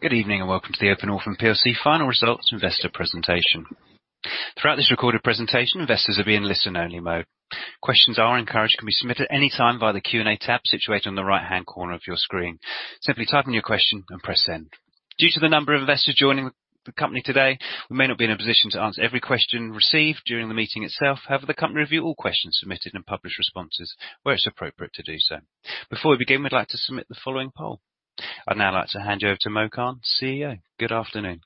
Good evening and welcome to the hVIVO plc final results investor presentation. Throughout this recorded presentation, investors will be in listen-only mode. Questions are encouraged, can be submitted anytime via the Q&A tab situated on the right-hand corner of your screen. Simply type in your question and press Send. Due to the number of investors joining the company today, we may not be in a position to answer every question received during the meeting itself. However, the company reviews all questions submitted and publish responses where it's appropriate to do so. Before we begin, we'd like to submit the following poll. I'd now like to hand you over to Yamin Khan, CEO. Good afternoon.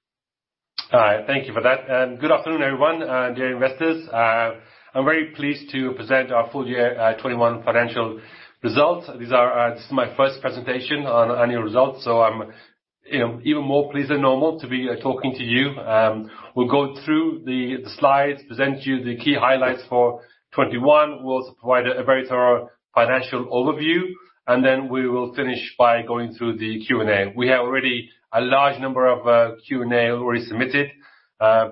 All right, thank you for that. Good afternoon, everyone, dear investors. I'm very pleased to present our full year 2021 financial results. This is my first presentation on annual results, so I'm even more pleased than normal to be talking to you. We'll go through the slides, present you the key highlights for 2021. We'll also provide a very thorough financial overview, and then we will finish by going through the Q&A. We have already a large number of Q&A already submitted,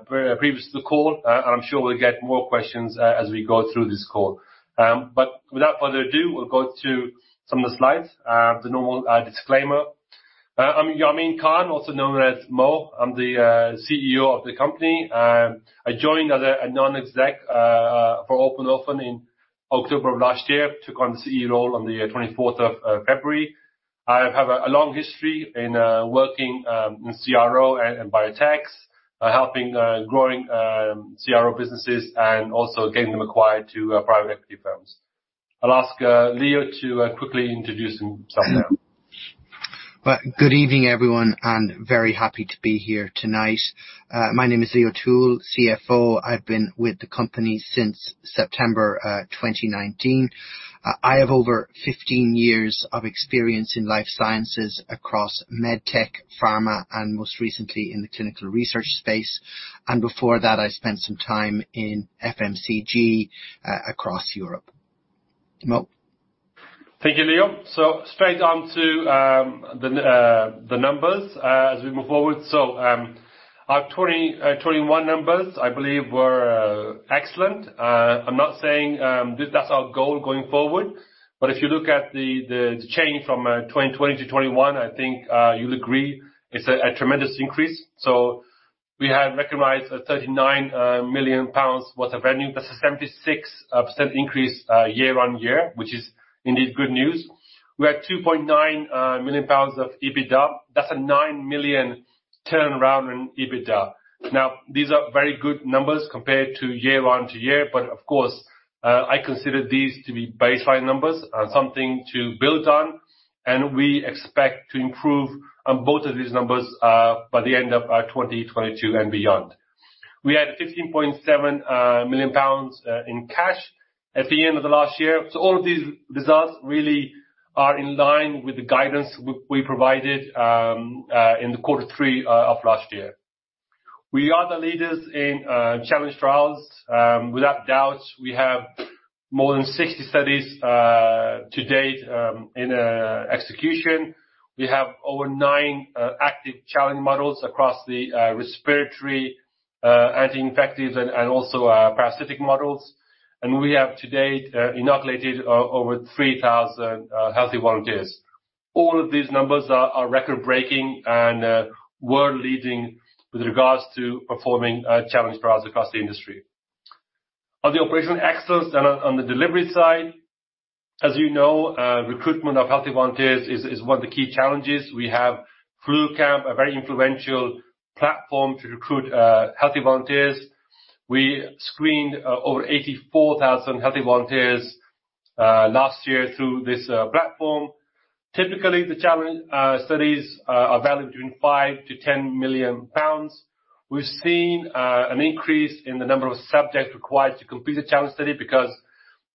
previous to the call. I'm sure we'll get more questions as we go through this call. Without further ado, we'll go to some of the slides. The normal disclaimer. I'm Yamin Khan, also known as Mo. I'm the CEO of the company. I joined as a non-exec for Open Orphan in October of last year. Took on the CEO role on the 24th of February. I have a long history in working in CRO and biotechs, helping growing CRO businesses and also getting them acquired by private equity firms. I'll ask Leo to quickly introduce himself now. Good evening, everyone, and very happy to be here tonight. My name is Leo Toole, CFO. I've been with the company since September 2019. I have over 15 years of experience in life sciences across med tech, pharma, and most recently in the clinical research space. Before that, I spent some time in FMCG across Europe. Mo. Thank you, Leo. Straight on to the numbers as we move forward. Our 2021 numbers, I believe were excellent. I'm not saying that's our goal going forward, but if you look at the change from 2020-2021, I think you'll agree it's a tremendous increase. We have recognized 39 million pounds worth of revenue. That's a 76% increase year on year, which is indeed good news. We had 2.9 million pounds of EBITDA. That's a 9 million turnaround in EBITDA. These are very good numbers compared to year on year, but of course, I consider these to be baseline numbers and something to build on. We expect to improve on both of these numbers by the end of 2022 and beyond. We had 15.7 million pounds in cash at the end of the last year. All of these results really are in line with the guidance we provided in quarter three of last year. We are the leaders in challenge trials without doubt. We have more than 60 studies to date in execution. We have over nine active challenge models across the respiratory anti-infectives and also parasitic models. We have to date inoculated over 3,000 healthy volunteers. All of these numbers are record breaking and world-leading with regards to performing challenge trials across the industry. On the operational excellence and on the delivery side, as you know, recruitment of healthy volunteers is one of the key challenges. We have FluCamp, a very influential platform to recruit healthy volunteers. We screened over 84,000 healthy volunteers last year through this platform. Typically, the challenge studies are valued between 5 million-10 million pounds. We've seen an increase in the number of subjects required to complete a challenge study because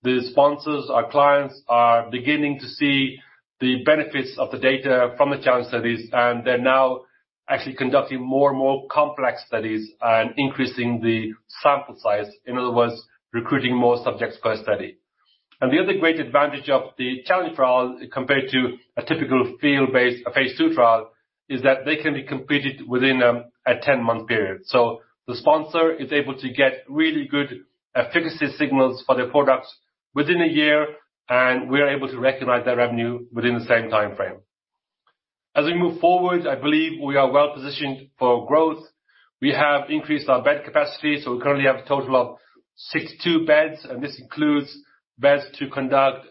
the sponsors or clients are beginning to see the benefits of the data from the challenge studies, and they're now actually conducting more and more complex studies and increasing the sample size. In other words, recruiting more subjects per study. The other great advantage of the challenge trial compared to a typical field-based phase II trial is that they can be completed within a 10-month period. The sponsor is able to get really good efficacy signals for their products within a year, and we are able to recognize that revenue within the same time frame. As we move forward, I believe we are well-positioned for growth. We have increased our bed capacity, so we currently have a total of 62 beds, and this includes beds to conduct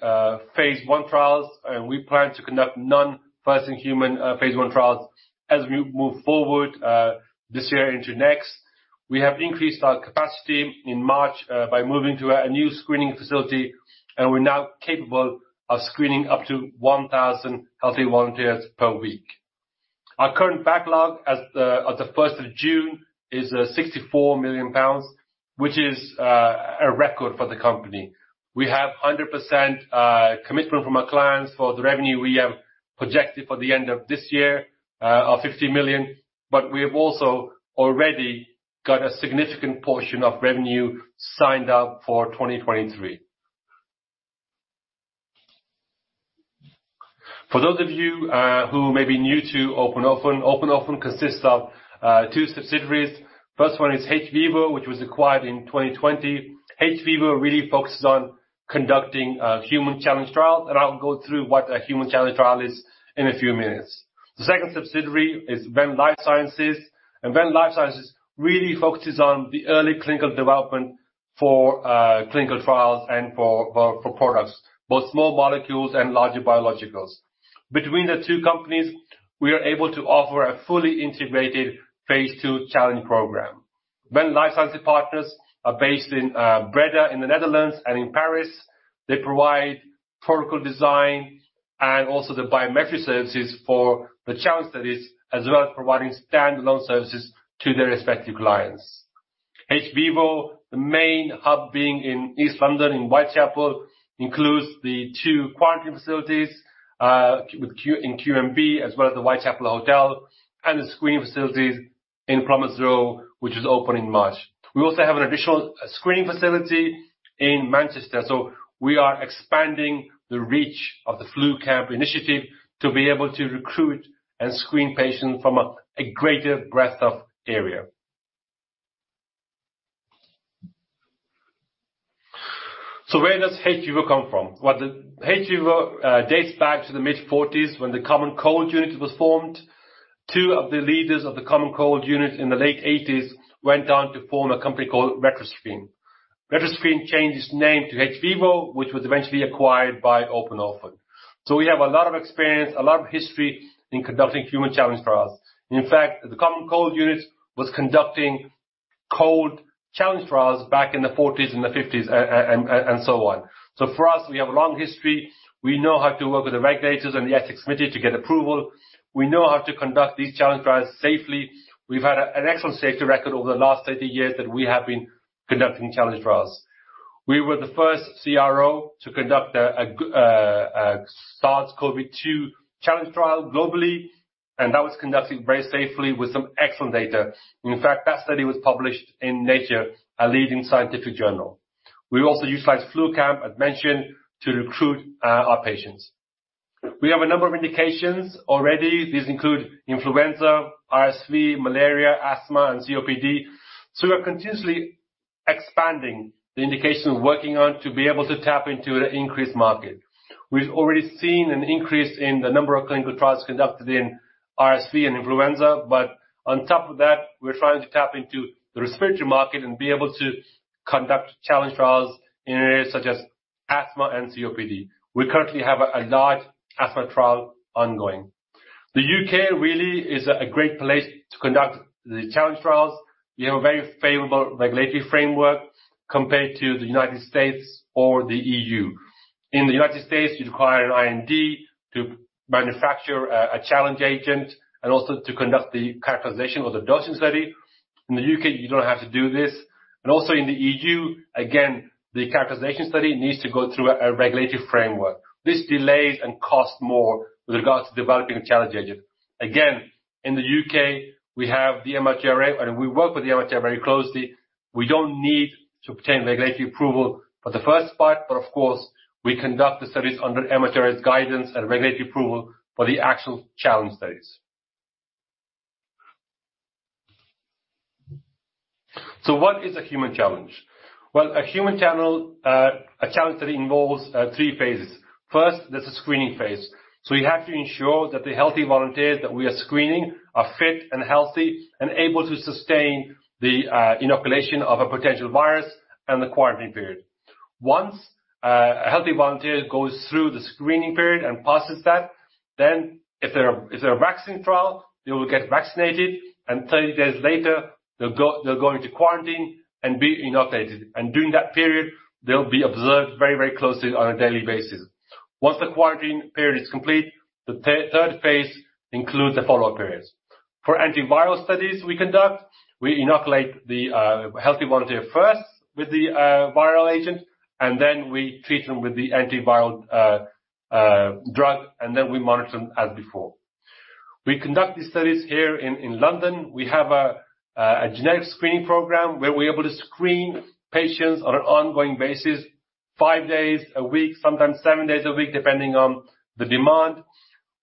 phase I trials. We plan to conduct non-first-in-human phase I trials as we move forward this year into next. We have increased our capacity in March by moving to a new screening facility, and we're now capable of screening up to 1,000 healthy volunteers per week. Our current backlog as of the 1st of June is 64 million pounds, which is a record for the company. We have 100% commitment from our clients for the revenue we have projected for the end of this year of 50 million. We have also already got a significant portion of revenue signed up for 2023. For those of you who may be new to Open Orphan, Open Orphan consists of two subsidiaries. First one is hVIVO, which was acquired in 2020. hVIVO really focuses on conducting a human challenge trial, and I'll go through what a human challenge trial is in a few minutes. The second subsidiary is Venn Life Sciences, and Venn Life Sciences really focuses on the early clinical development for clinical trials and for products, both small molecules and larger biologicals. Between the two companies, we are able to offer a fully integrated phase II challenge program. Venn Life Sciences partners are based in Breda in the Netherlands and in Paris. They provide protocol design and also the biometric services for the challenge studies as well as providing standalone services to their respective clients. hVIVO, the main hub being in East London in Whitechapel, includes the two quarantine facilities with QMB, as well as the Whitechapel Hotel and the screening facilities in Plumbers Row, which is opening in March. We also have an additional screening facility in Manchester. We are expanding the reach of the FluCamp initiative to be able to recruit and screen patients from a greater breadth of area. Where does hVIVO come from? Well, the hVIVO dates back to the mid-1940s when the Common Cold Unit was formed. Two of the leaders of the Common Cold Unit in the late 1980s went on to form a company called Retroscreen. Retroscreen changed its name to hVIVO, which was eventually acquired by Open Orphan. We have a lot of experience, a lot of history in conducting human challenge trials. In fact, the Common Cold Unit was conducting cold challenge trials back in the 1940s and the 1950s and so on. For us, we have a long history. We know how to work with the regulators and the ethics committee to get approval. We know how to conduct these challenge trials safely. We've had an excellent safety record over the last 30 years that we have been conducting challenge trials. We were the first CRO to conduct a SARS-CoV-2 challenge trial globally, and that was conducted very safely with some excellent data. In fact, that study was published in Nature, a leading scientific journal. We also utilize FluCamp, as mentioned, to recruit our patients. We have a number of indications already. These include influenza, RSV, malaria, asthma, and COPD. We are continuously expanding the indications we're working on to be able to tap into the increased market. We've already seen an increase in the number of clinical trials conducted in RSV and influenza, but on top of that, we're trying to tap into the respiratory market and be able to conduct challenge trials in areas such as asthma and COPD. We currently have a large asthma trial ongoing. The U.K. really is a great place to conduct the challenge trials. We have a very favorable regulatory framework compared to the United States or the E.U.. In the United States, you require an IND to manufacture a challenge agent and also to conduct the characterization or the dosing study. In the U.K., you don't have to do this. Also in the E.U., again, the characterization study needs to go through a regulatory framework. This delays and costs more with regards to developing a challenge agent. Again, in the U.K., we have the MHRA, and we work with the MHRA very closely. We don't need to obtain regulatory approval for the first part, but of course, we conduct the studies under MHRA's guidance and regulatory approval for the actual challenge studies. What is a human challenge? Well, a human challenge, a challenge that involves three phases. First, there's a screening phase. We have to ensure that the healthy volunteers that we are screening are fit and healthy and able to sustain the inoculation of a potential virus and the quarantine period. Once a healthy volunteer goes through the screening period and passes that, if they're a vaccine trial, they will get vaccinated, and 30 days later, they'll go into quarantine and be inoculated. During that period, they'll be observed very, very closely on a daily basis. Once the quarantine period is complete, the third phase includes the follow-up periods. For antiviral studies we conduct, we inoculate the healthy volunteer first with the viral agent, and then we treat them with the antiviral drug, and then we monitor them as before. We conduct these studies here in London. We have a genetic screening program where we're able to screen patients on an ongoing basis, five days a week, sometimes seven days a week, depending on the demand.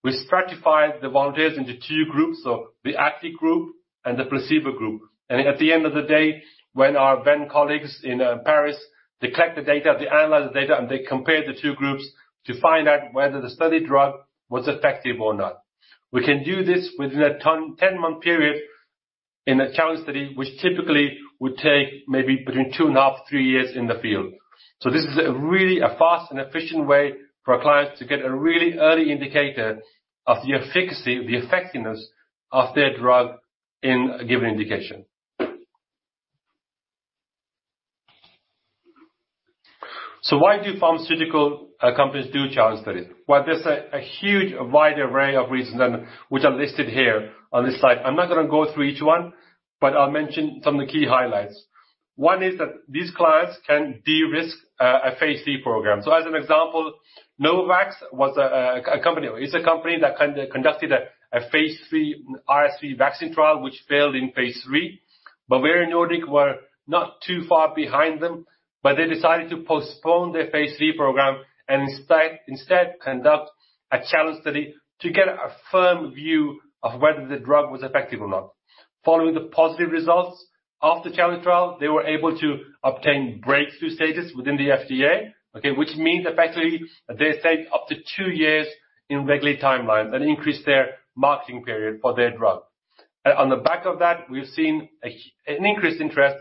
We stratify the volunteers into two groups, so the active group and the placebo group. At the end of the day, when our Venn colleagues in Paris, they collect the data, they analyze the data, and they compare the two groups to find out whether the study drug was effective or not. We can do this within a 10-month period in a challenge study, which typically would take maybe between two and a half-three years in the field. This is a really fast and efficient way for our clients to get a really early indicator of the efficacy, the effectiveness of their drug in a given indication. Why do pharmaceutical companies do challenge studies? Well, there's a huge wide array of reasons, which are listed here on this slide. I'm not gonna go through each one, but I'll mention some of the key highlights. One is that these clients can de-risk a phase III program. As an example, Novavax was a company or is a company that conducted a phase III RSV vaccine trial which failed in phase III. Bavarian Nordic were not too far behind them, but they decided to postpone their phase III program and instead conduct a challenge study to get a firm view of whether the drug was effective or not. Following the positive results of the challenge trial, they were able to obtain breakthrough stages within the FDA, okay, which means effectively they save up to two years in regulatory timelines and increase their marketing period for their drug. On the back of that, we've seen an increased interest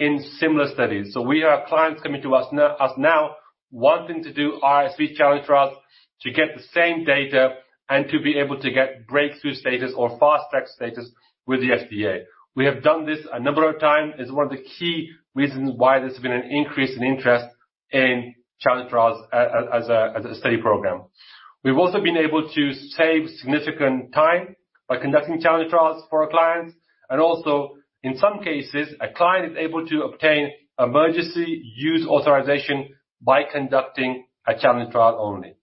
in similar studies. We have clients coming to us now wanting to do RSV challenge trials to get the same data and to be able to get breakthrough status or fast-track status with the FDA. We have done this a number of times. It's one of the key reasons why there's been an increase in interest in challenge trials as a study program. We've also been able to save significant time by conducting challenge trials for our clients and also, in some cases, a client is able to obtain emergency use authorization by conducting a challenge trial only.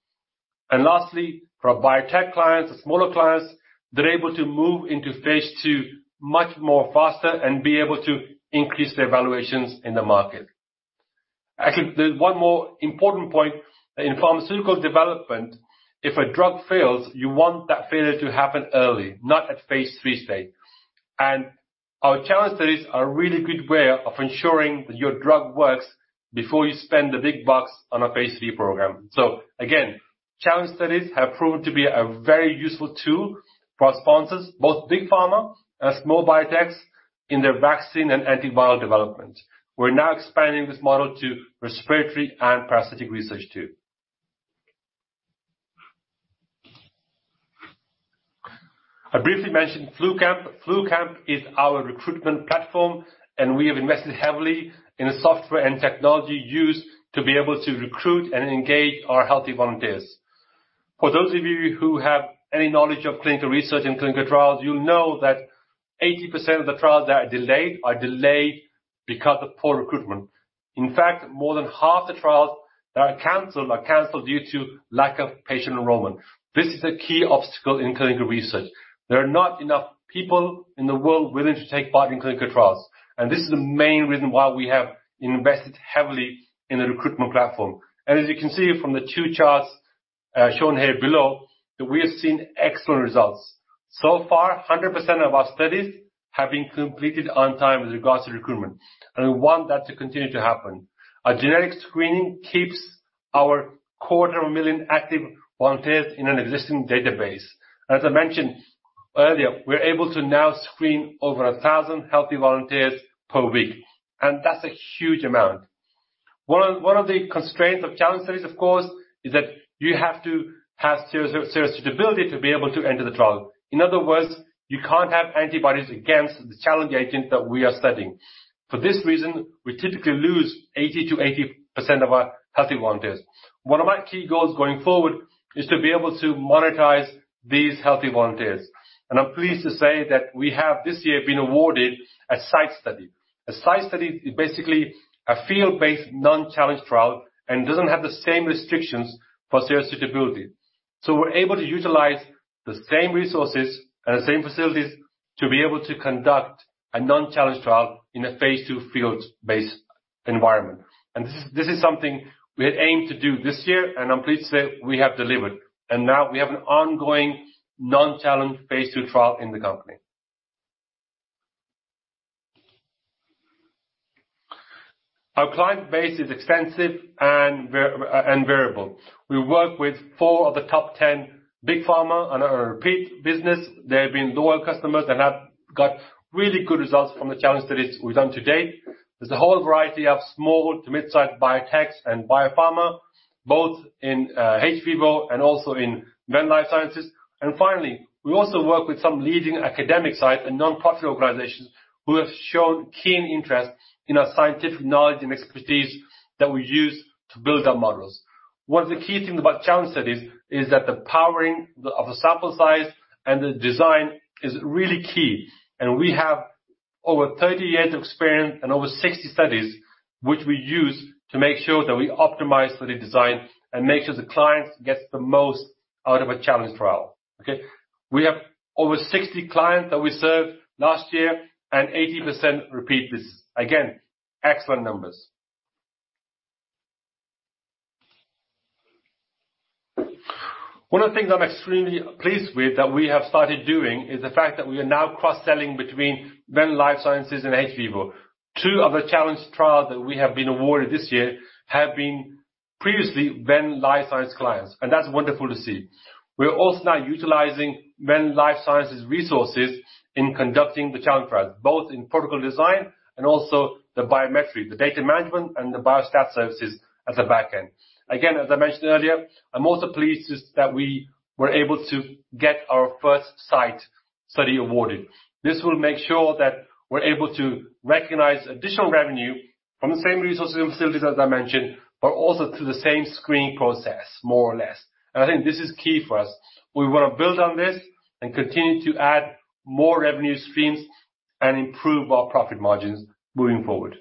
Lastly, for our biotech clients or smaller clients, they're able to move into phase II much more faster and be able to increase their valuations in the market. Actually, there's one more important point. In pharmaceutical development, if a drug fails, you want that failure to happen early, not at phase III stage. Our challenge studies are a really good way of ensuring that your drug works before you spend the big bucks on a phase III program. Again, challenge studies have proved to be a very useful tool for our sponsors, both big pharma and small biotechs in their vaccine and antiviral development. We're now expanding this model to respiratory and parasitic research too. I briefly mentioned FluCamp. FluCamp is our recruitment platform, and we have invested heavily in the software and technology used to be able to recruit and engage our healthy volunteers. For those of you who have any knowledge of clinical research and clinical trials, you'll know that 80% of the trials that are delayed are delayed because of poor recruitment. In fact, more than half the trials that are canceled are canceled due to lack of patient enrollment. This is a key obstacle in clinical research. There are not enough people in the world willing to take part in clinical trials, and this is the main reason why we have invested heavily in the recruitment platform. As you can see from the two charts, shown here below, that we have seen excellent results. So far, 100% of our studies have been completed on time with regards to recruitment, and we want that to continue to happen. Our genetic screening keeps our quarter million active volunteers in an existing database. As I mentioned earlier, we're able to now screen over 1,000 healthy volunteers per week, and that's a huge amount. One of the constraints of challenge studies, of course, is that you have to have seronegativity to be able to enter the trial. In other words, you can't have antibodies against the challenge agent that we are studying. For this reason, we typically lose 80%-80% of our healthy volunteers. One of my key goals going forward is to be able to monetize these healthy volunteers, and I'm pleased to say that we have this year been awarded a site study. A site study is basically a field-based non-challenge trial and doesn't have the same restrictions for serostability. We're able to utilize the same resources and the same facilities to be able to conduct a non-challenge trial in a phase II field-based environment. This is something we had aimed to do this year, and I'm pleased to say we have delivered. Now we have an ongoing non-challenge phase II trial in the company. Our client base is extensive and variable. We work with four of the top 10 big pharma on a repeat business. They have been loyal customers and have got really good results from the challenge studies we've done to date. There's a whole variety of small to mid-sized biotechs and biopharma, both in hVIVO and also in Venn Life Sciences. Finally, we also work with some leading academic sites and nonprofit organizations who have shown keen interest in our scientific knowledge and expertise that we use to build our models. One of the key things about challenge studies is that the powering of the sample size and the design is really key. We have over 30 years of experience and over 60 studies, which we use to make sure that we optimize for the design and make sure the client gets the most out of a challenge trial. Okay. We have over 60 clients that we served last year and 80% repeat this. Again, excellent numbers. One of the things I'm extremely pleased with that we have started doing is the fact that we are now cross-selling between Venn Life Sciences and hVIVO. Two of the challenge trials that we have been awarded this year have been previously Venn Life Sciences clients, and that's wonderful to see. We are also now utilizing Venn Life Sciences resources in conducting the challenge trials, both in protocol design and also the biometry, the data management and the biostat services at the back end. Again, as I mentioned earlier, I'm also pleased that we were able to get our first site study awarded. This will make sure that we're able to recognize additional revenue from the same resources and facilities as I mentioned, but also through the same screening process, more or less. I think this is key for us. We wanna build on this and continue to add more revenue streams and improve our profit margins moving forward.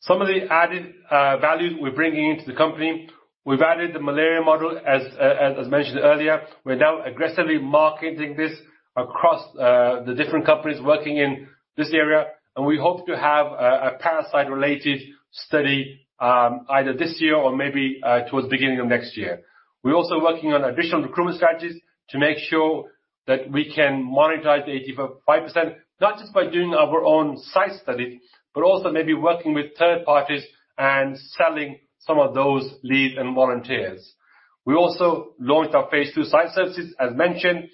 Some of the added value we're bringing into the company. We've added the malaria model as mentioned earlier. We're now aggressively marketing this across the different companies working in this area. We hope to have a parasite related study either this year or maybe towards the beginning of next year. We're also working on additional recruitment strategies to make sure that we can monetize the 85%, not just by doing our own site studies, but also maybe working with third parties and selling some of those leads and volunteers. We also launched our phase II site services, as mentioned,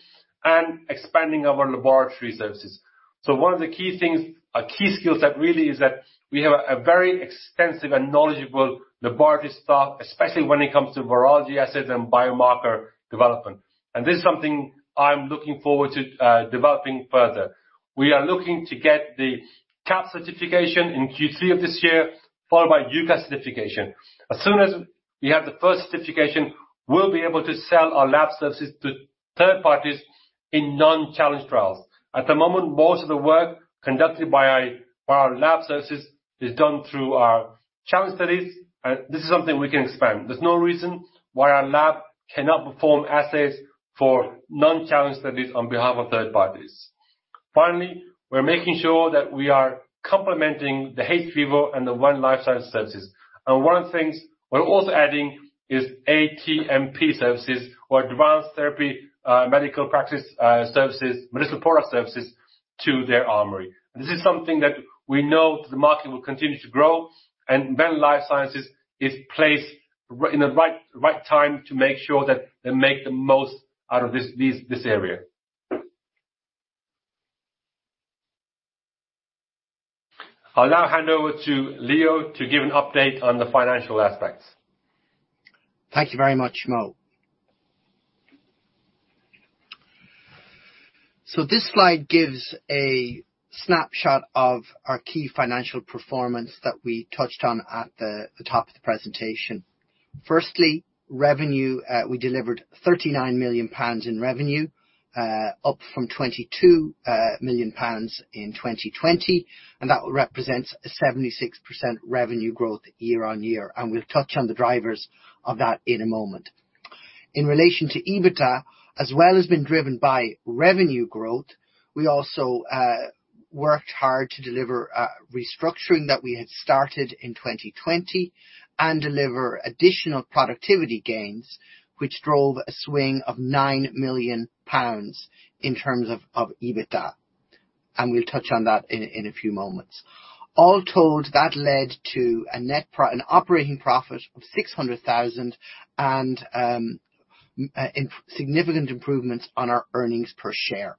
and expanding our laboratory services. One of the key things, a key skill set really is that we have a very extensive and knowledgeable laboratory staff, especially when it comes to virology assets and biomarker development. This is something I'm looking forward to developing further. We are looking to get the CAP certification in Q3 of this year, followed by UKAS certification. As soon as we have the first certification, we'll be able to sell our lab services to third parties in non-challenge trials. At the moment, most of the work conducted by our lab services is done through our challenge studies. This is something we can expand. There's no reason why our lab cannot perform assays for non-challenge studies on behalf of third parties. Finally, we're making sure that we are complementing the hVIVO and the Venn Life Sciences services. One of the things we're also adding is ATMP services or advanced therapy medicinal product services to their armory. This is something that we know the market will continue to grow, and Venn Life Sciences is placed right in the right time to make sure that they make the most out of this area. I'll now hand over to Leo to give an update on the financial aspects. Thank you very much, Mo. This slide gives a snapshot of our key financial performance that we touched on at the top of the presentation. Firstly, revenue. We delivered 39 million pounds in revenue, up from 22 million pounds in 2020, and that represents a 76% revenue growth year-on-year. We'll touch on the drivers of that in a moment. In relation to EBITDA, as well as been driven by revenue growth, we also worked hard to deliver a restructuring that we had started in 2020 and deliver additional productivity gains, which drove a swing of 9 million pounds in terms of EBITDA. We'll touch on that in a few moments. All told, that led to an operating profit of 600,000 and significant improvements on our earnings per share.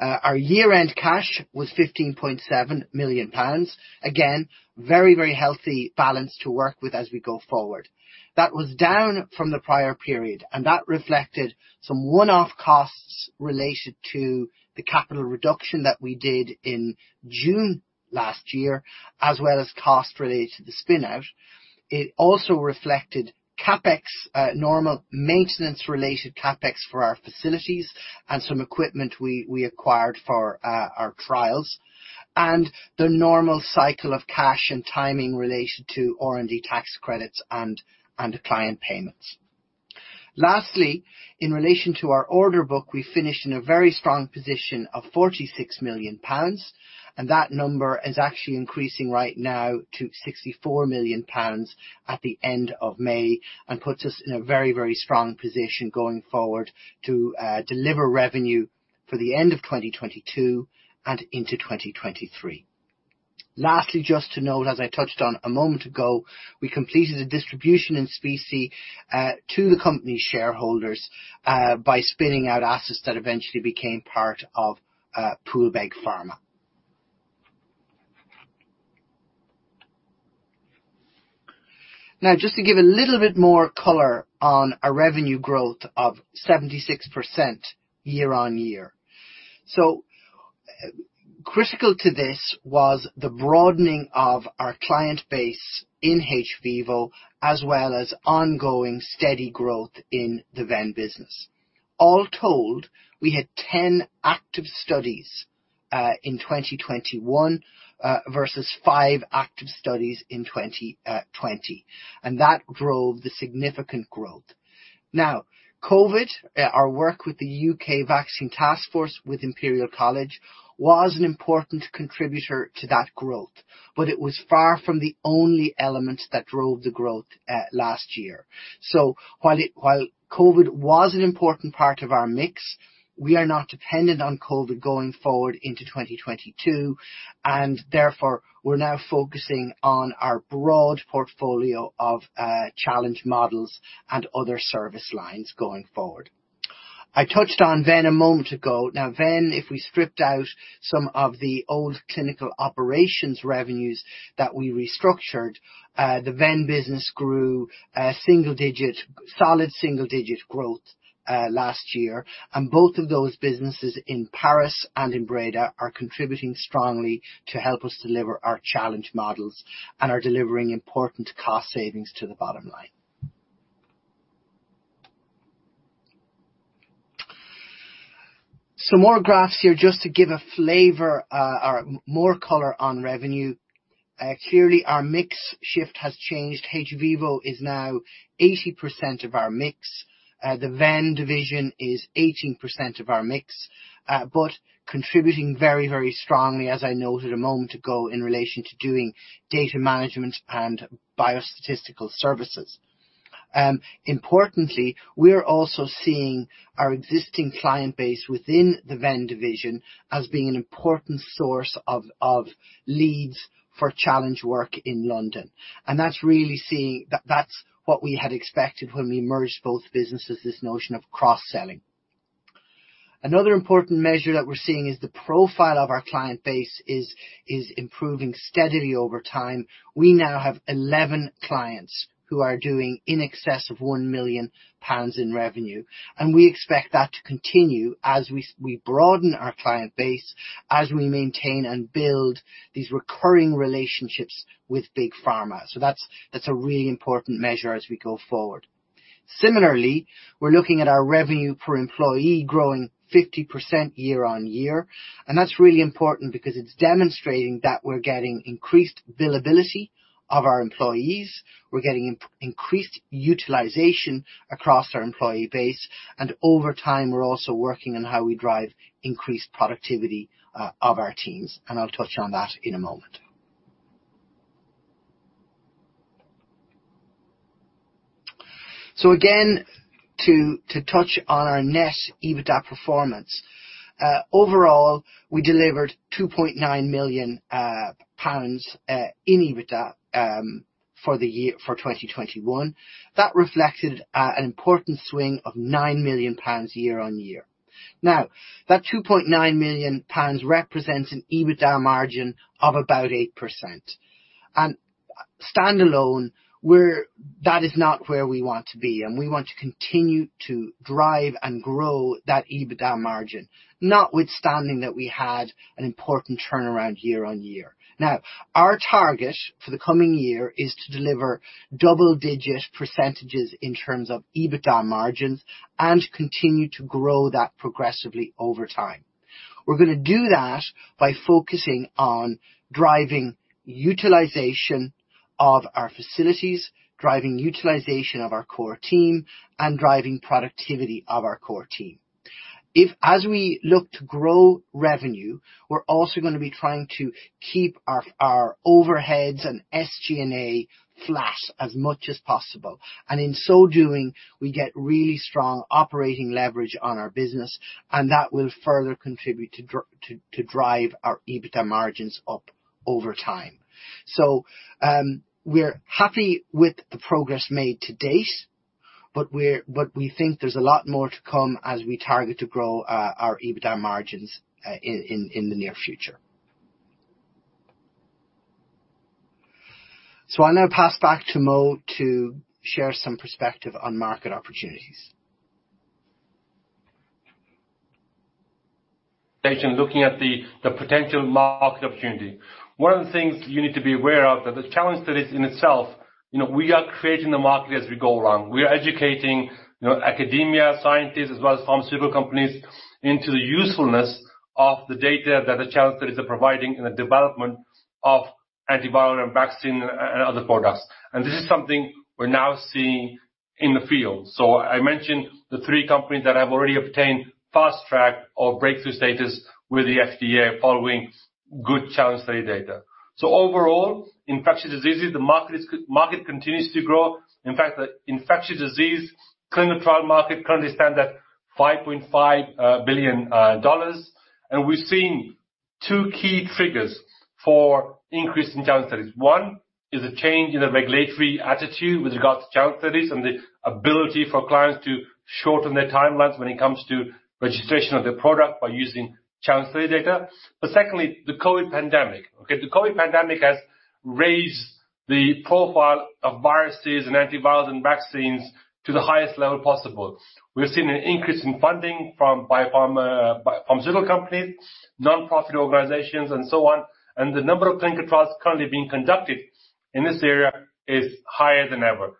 Our year-end cash was 15.7 million pounds. Again, very, very healthy balance to work with as we go forward. That was down from the prior period, and that reflected some one-off costs related to the capital reduction that we did in June last year, as well as costs related to the spin-out. It also reflected CapEx, normal maintenance related CapEx for our facilities and some equipment we acquired for our trials and the normal cycle of cash and timing related to R&D tax credits and client payments. Lastly, in relation to our order book, we finished in a very strong position of 46 million pounds, and that number is actually increasing right now to 64 million pounds at the end of May and puts us in a very, very strong position going forward to deliver revenue for the end of 2022 and into 2023. Lastly, just to note, as I touched on a moment ago, we completed a distribution in specie to the company's shareholders by spinning out assets that eventually became part of Poolbeg Pharma. Now, just to give a little bit more color on our revenue growth of 76% year-on-year. Critical to this was the broadening of our client base in hVIVO as well as ongoing steady growth in the Venn business. All told, we had 10 active studies in 2021 versus 5 active studies in 2020. That drove the significant growth. Now, COVID, our work with the UK Vaccine Taskforce with Imperial College was an important contributor to that growth, but it was far from the only element that drove the growth last year. While COVID was an important part of our mix, we are not dependent on COVID going forward into 2022, and therefore we're now focusing on our broad portfolio of challenge models and other service lines going forward. I touched on Venn a moment ago. Now, Venn, if we stripped out some of the old clinical operations revenues that we restructured, the Venn business grew a single digit, solid single digit growth last year. Both of those businesses in Paris and in Breda are contributing strongly to help us deliver our challenge models and are delivering important cost savings to the bottom line. Some more graphs here just to give a flavor or more color on revenue. Clearly our mix shift has changed. hVIVO is now 80% of our mix. The Venn division is 18% of our mix, but contributing very, very strongly, as I noted a moment ago, in relation to doing data management and biostatistical services. Importantly, we're also seeing our existing client base within the Venn division as being an important source of leads for challenge work in London. That's what we had expected when we merged both businesses, this notion of cross-selling. Another important measure that we're seeing is the profile of our client base is improving steadily over time. We now have 11 clients who are doing in excess of 1 million pounds in revenue, and we expect that to continue as we broaden our client base, as we maintain and build these recurring relationships with big pharma. That's a really important measure as we go forward. Similarly, we're looking at our revenue per employee growing 50% year-on-year, and that's really important because it's demonstrating that we're getting increased billability of our employees. We're getting increased utilization across our employee base, and over time, we're also working on how we drive increased productivity of our teams. I'll touch on that in a moment. To touch on our net EBITDA performance. Overall, we delivered 2.9 million pounds in EBITDA for 2021. That reflected an important swing of 9 million pounds year-on-year. Now, that 2.9 million pounds represents an EBITDA margin of about 8%. Standalone, that is not where we want to be, and we want to continue to drive and grow that EBITDA margin, notwithstanding that we had an important turnaround year-on-year. Now, our target for the coming year is to deliver double-digit percentages in terms of EBITDA margins and continue to grow that progressively over time. We're gonna do that by focusing on driving utilization of our facilities, driving utilization of our core team, and driving productivity of our core team. If As we look to grow revenue, we're also gonna be trying to keep our overheads and SG&A flat as much as possible. In so doing, we get really strong operating leverage on our business, and that will further contribute to drive our EBITDA margins up over time. We're happy with the progress made to date, but we think there's a lot more to come as we target to grow our EBITDA margins in the near future. I'll now pass back to Mo to share some perspective on market opportunities. Looking at the potential market opportunity. One of the things you need to be aware of is that the challenge is in itself, you know, we are creating the market as we go along. We are educating, you know, academia, scientists, as well as pharmaceutical companies into the usefulness of the data that the challenge studies are providing in the development of antiviral and vaccine and other products. This is something we're now seeing in the field. I mentioned the three companies that have already obtained fast track or breakthrough status with the FDA following good challenge study data. Overall, infectious diseases, the market continues to grow. In fact, the infectious disease clinical trial market currently stands at $5.5 billion. We're seeing two key triggers for increase in challenge studies. One is a change in the regulatory attitude with regards to challenge studies and the ability for clients to shorten their timelines when it comes to registration of the product by using challenge study data. Secondly, the COVID pandemic, okay. The COVID pandemic has raised the profile of viruses and antivirals and vaccines to the highest level possible. We're seeing an increase in funding from biopharmaceutical companies, nonprofit organizations, and so on. The number of clinical trials currently being conducted in this area is higher than ever,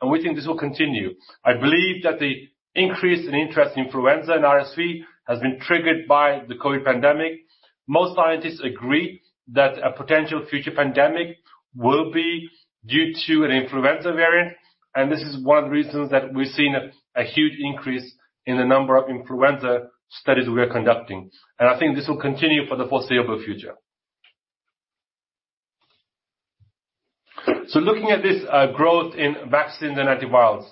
and we think this will continue. I believe that the increase in interest in influenza and RSV has been triggered by the COVID pandemic. Most scientists agree that a potential future pandemic will be due to an influenza variant, and this is one of the reasons that we're seeing a huge increase in the number of influenza studies we are conducting. I think this will continue for the foreseeable future. Looking at this growth in vaccines and antivirals.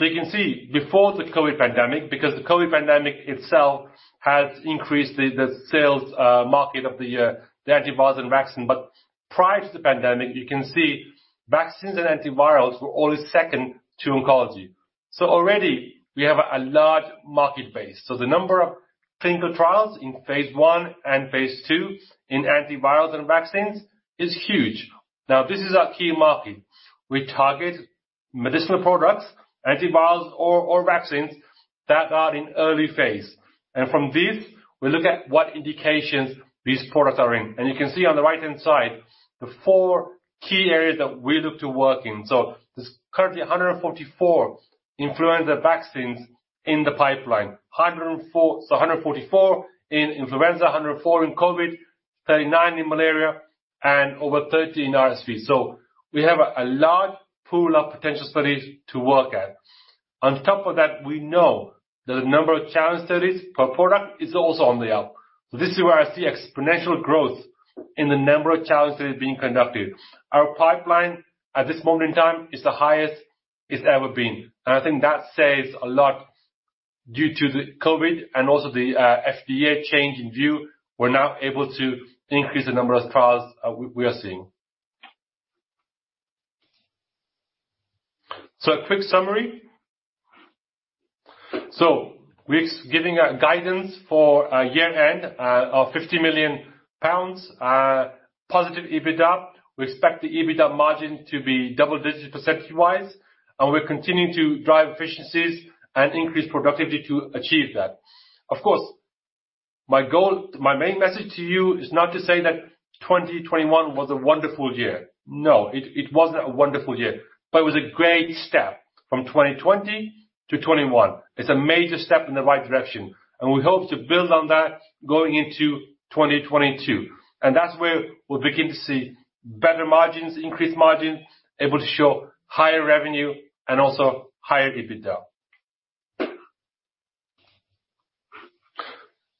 You can see before the COVID pandemic, because the COVID pandemic itself has increased the sales market of the antivirals and vaccine. Prior to the pandemic, you can see vaccines and antivirals were always second to oncology. Already we have a large market base. The number of clinical trials in phase I and phase II in antivirals and vaccines is huge. Now, this is our key market. We target medicinal products, antivirals or vaccines that are in early phase. From this, we look at what indications these products are in. You can see on the right-hand side, the four key areas that we look to work in. There's currently 144 influenza vaccines in the pipeline. 144 in influenza, 104 in COVID, 39 in malaria, and over 30 in RSV. We have a large pool of potential studies to work at. On top of that, we know that the number of challenge studies per product is also on the up. This is where I see exponential growth in the number of challenge studies being conducted. Our pipeline at this moment in time is the highest it's ever been. I think that says a lot due to the COVID and also the FDA change in view. We're now able to increase the number of trials we are seeing. A quick summary. We're giving our guidance for our year-end of 50 million pounds positive EBITDA. We expect the EBITDA margin to be double digits percentage-wise, and we're continuing to drive efficiencies and increase productivity to achieve that. Of course, my goal, my main message to you is not to say that 2021 was a wonderful year. No, it wasn't a wonderful year, but it was a great step from 2020-2021. It's a major step in the right direction, and we hope to build on that going into 2022. That's where we'll begin to see better margins, increased margins, able to show higher revenue and also higher EBITDA.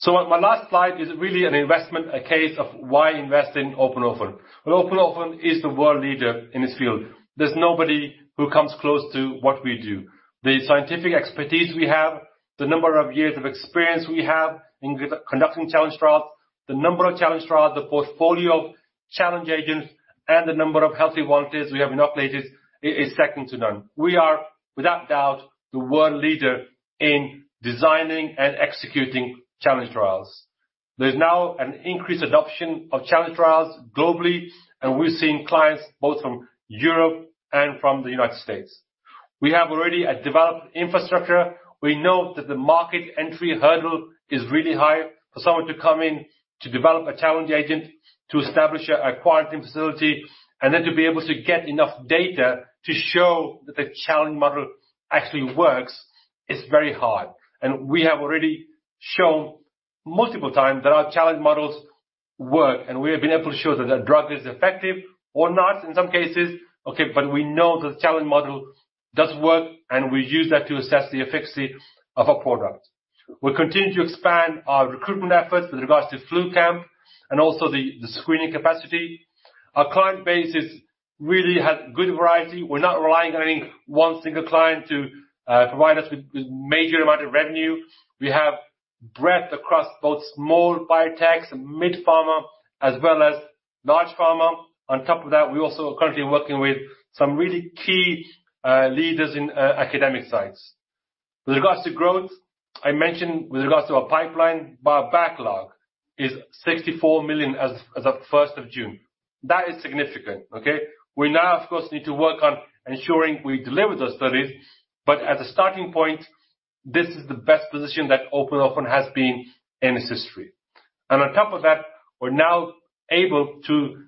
My last slide is really an investment case of why invest in Open Orphan. Well, Open Orphan is the world leader in this field. There's nobody who comes close to what we do. The scientific expertise we have, the number of years of experience we have in conducting challenge trials, the number of challenge trials, the portfolio of challenge agents, and the number of healthy volunteers we have in our places is second to none. We are, without doubt, the world leader in designing and executing challenge trials. There's now an increased adoption of challenge trials globally, and we're seeing clients both from Europe and from the United States. We have already a developed infrastructure. We know that the market entry hurdle is really high for someone to come in to develop a challenge agent, to establish a quarantine facility, and then to be able to get enough data to show that the challenge model actually works is very hard. We have already shown multiple times that our challenge models work, and we have been able to show that a drug is effective or not in some cases, okay, but we know the challenge model does work, and we use that to assess the efficacy of a product. We continue to expand our recruitment efforts with regards to FluCamp and also the screening capacity. Our client base is really has good variety. We're not relying on any one single client to provide us with major amount of revenue. We have breadth across both small biotechs and mid-pharma, as well as large pharma. On top of that, we also are currently working with some really key leaders in academic sites. With regards to growth, I mentioned with regards to our pipeline, our backlog is 64 million as of 1st of June. That is significant, okay? We now, of course, need to work on ensuring we deliver those studies, but at a starting point, this is the best position that Open Orphan has been in its history. On top of that, we're now able to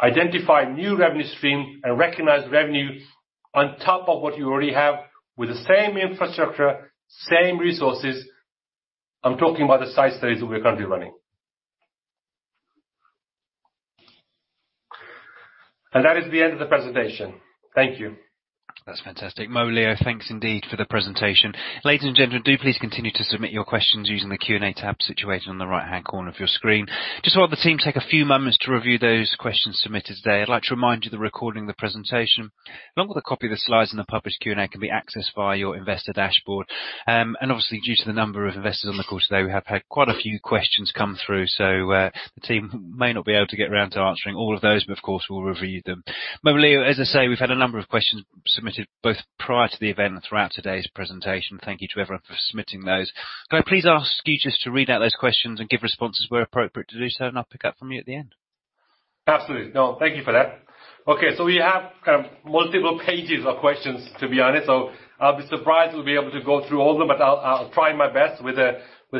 identify new revenue stream and recognize revenue on top of what you already have with the same infrastructure, same resources. I'm talking about the site studies that we are currently running. That is the end of the presentation. Thank you. That's fantastic. Mo, Leo, thanks indeed for the presentation. Ladies and gentlemen, do please continue to submit your questions using the Q&A tab situated on the right-hand corner of your screen. Just while the team take a few moments to review those questions submitted today, I'd like to remind you the recording of the presentation, along with a copy of the slides and the published Q&A, can be accessed via your investor dashboard. Obviously, due to the number of investors on the call today, we have had quite a few questions come through, so, the team may not be able to get around to answering all of those, but of course, we'll review them. Mo, Leo, as I say, we've had a number of questions submitted both prior to the event and throughout today's presentation. Thank you to everyone for submitting those. Can I please ask you just to read out those questions and give responses where appropriate to do so, and I'll pick up from you at the end. Absolutely. No, thank you for that. Okay, so we have multiple pages of questions, to be honest, so I'll be surprised we'll be able to go through all of them, but I'll try my best with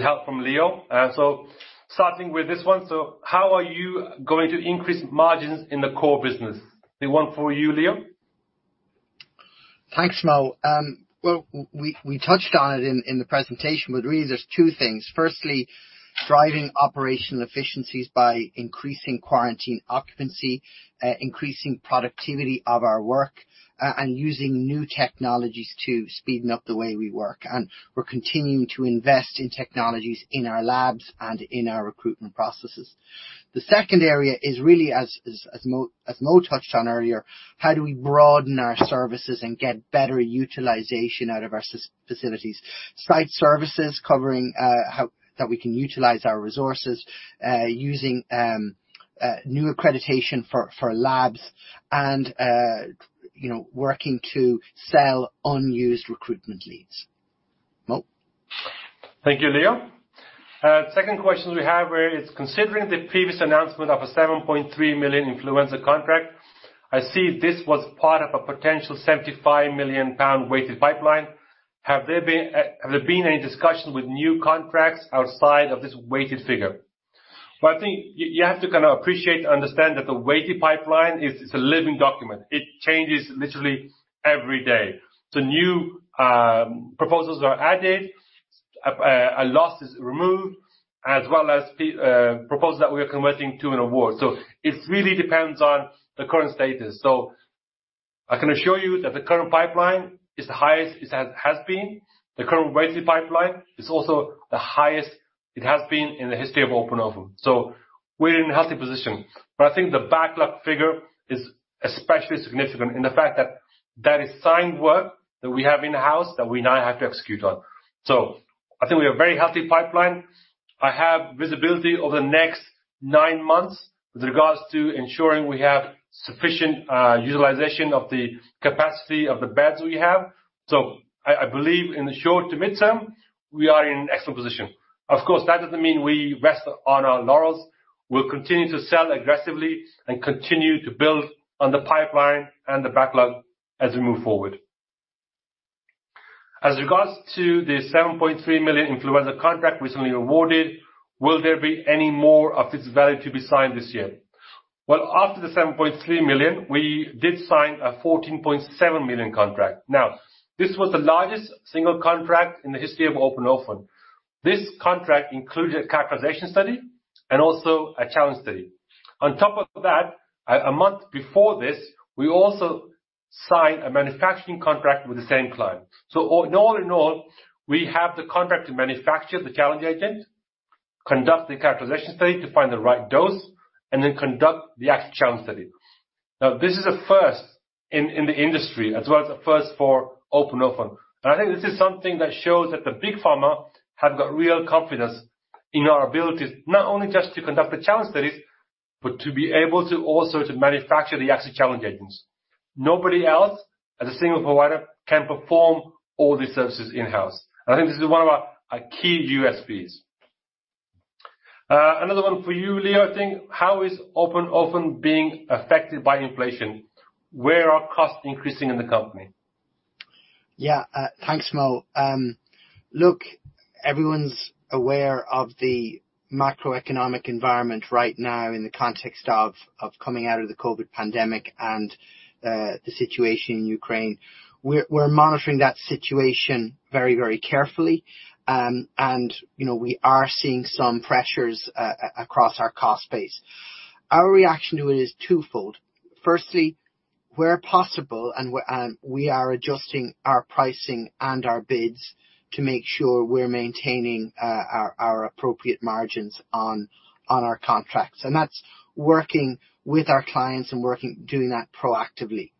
help from Leo. So starting with this one. How are you going to increase margins in the core business? The one for you, Leo. Thanks, Mo. Well, we touched on it in the presentation, but really there's two things. Firstly, driving operational efficiencies by increasing quarantine occupancy, increasing productivity of our work, and using new technologies to speed up the way we work. We're continuing to invest in technologies in our labs and in our recruitment processes. The second area is really, as Mo touched on earlier, how do we broaden our services and get better utilization out of our facilities. Site services covering how that we can utilize our resources, using new accreditation for labs and, you know, working to sell unused recruitment leads. Mo? Thank you, Leo. Second question we have is considering the previous announcement of a 7.3 million influenza contract, I see this was part of a potential 75 million pound weighted pipeline. Have there been any discussions with new contracts outside of this weighted figure? Well, I think you have to kind of appreciate to understand that the weighted pipeline is, it's a living document. It changes literally every day. The new proposals are added, a loss is removed, as well as proposals that we are converting to an award. It really depends on the current status. I can assure you that the current pipeline is the highest it has been. The current weighted pipeline is also the highest it has been in the history of Open Orphan. We're in a healthy position. I think the backlog figure is especially significant in the fact that that is signed work that we have in-house that we now have to execute on. I think we have a very healthy pipeline. I have visibility over the next nine months with regards to ensuring we have sufficient utilization of the capacity of the beds we have. I believe in the short to mid-term, we are in an excellent position. Of course, that doesn't mean we rest on our laurels. We'll continue to sell aggressively and continue to build on the pipeline and the backlog as we move forward. As regards to the 7.3 million influenza contract recently awarded, will there be any more of this value to be signed this year? Well, after the 7.3 million, we did sign a 14.7 million contract. This was the largest single contract in the history of Open Orphan. This contract included a characterization study and also a challenge study. On top of that, a month before this, we also signed a manufacturing contract with the same client. All in all, we have the contract to manufacture the challenge agent, conduct the characterization study to find the right dose, and then conduct the actual challenge study. Now, this is a first in the industry, as well as a first for Open Orphan. I think this is something that shows that the big pharma have got real confidence in our abilities, not only just to conduct the challenge studies, but to be able to also to manufacture the actual challenge agents. Nobody else as a single provider can perform all these services in-house. I think this is one of our key USPs. Another one for you, Leo, I think. How is Open Orphan being affected by inflation? Where are costs increasing in the company? Yeah. Thanks, Mo. Look, everyone's aware of the macroeconomic environment right now in the context of coming out of the COVID pandemic and the situation in Ukraine. We're monitoring that situation very, very carefully. You know, we are seeing some pressures across our cost base. Our reaction to it is twofold. Firstly, where possible, and we are adjusting our pricing and our bids to make sure we're maintaining our appropriate margins on our contracts. That's working with our clients and working, doing that proactively.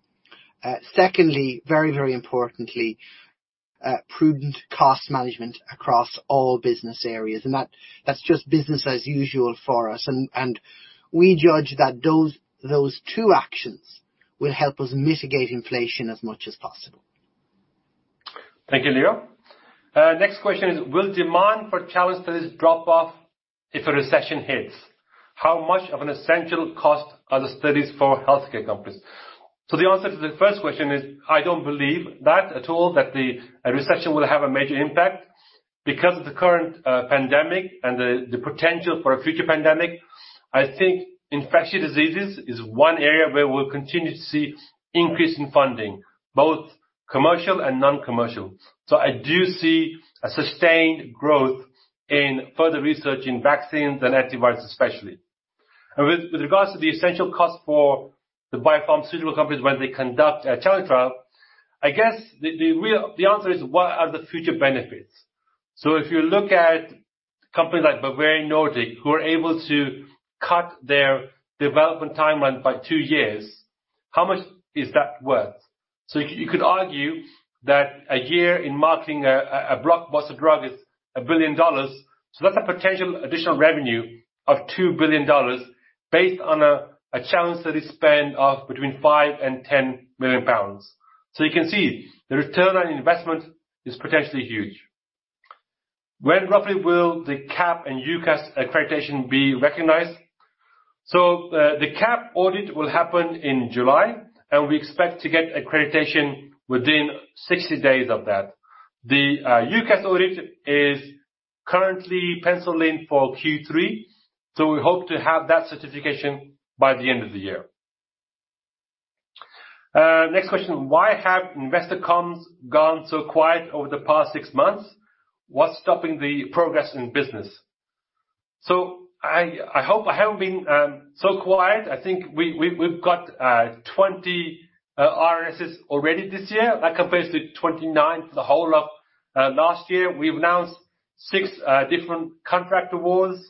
Secondly, very, very importantly, prudent cost management across all business areas, and that's just business as usual for us. We judge that those two actions will help us mitigate inflation as much as possible. Thank you, Leo. Next question is, will demand for challenge studies drop off if a recession hits? How much of an essential cost are the studies for healthcare companies? The answer to the first question is, I don't believe that at all a recession will have a major impact because of the current pandemic and the potential for a future pandemic. I think infectious diseases is one area where we'll continue to see increase in funding, both commercial and non-commercial. I do see a sustained growth in further research in vaccines and antivirals especially. With regards to the essential cost for the biopharmaceutical companies when they conduct a challenge trial, I guess the real answer is, what are the future benefits? If you look at companies like Bavarian Nordic, who are able to cut their development timeline by two years, how much is that worth? You could argue that a year in marketing a blockbuster drug is $1 billion. That's a potential additional revenue of $2 billion based on a challenge study spend of between 5 million and 10 million pounds. You can see the return on investment is potentially huge. When roughly will the CAP and UKAS accreditation be recognized? The CAP audit will happen in July, and we expect to get accreditation within 60 days of that. The UKAS audit is currently penciled in for Q3, so we hope to have that certification by the end of the year. Next question. Why have investor comms gone so quiet over the past six months? What's stopping the progress in business? I hope I haven't been so quiet. I think we've got 20 RNSs already this year. That compares to 29 for the whole of last year. We've announced six different contract awards.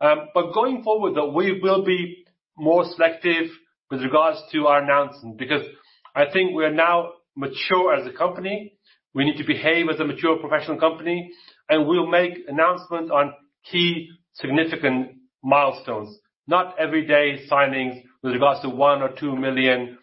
But going forward, though, we will be more selective with regards to our announcements because I think we are now mature as a company. We need to behave as a mature professional company, and we'll make announcements on key significant milestones, not everyday signings with regards to 1 million or GPB 2 million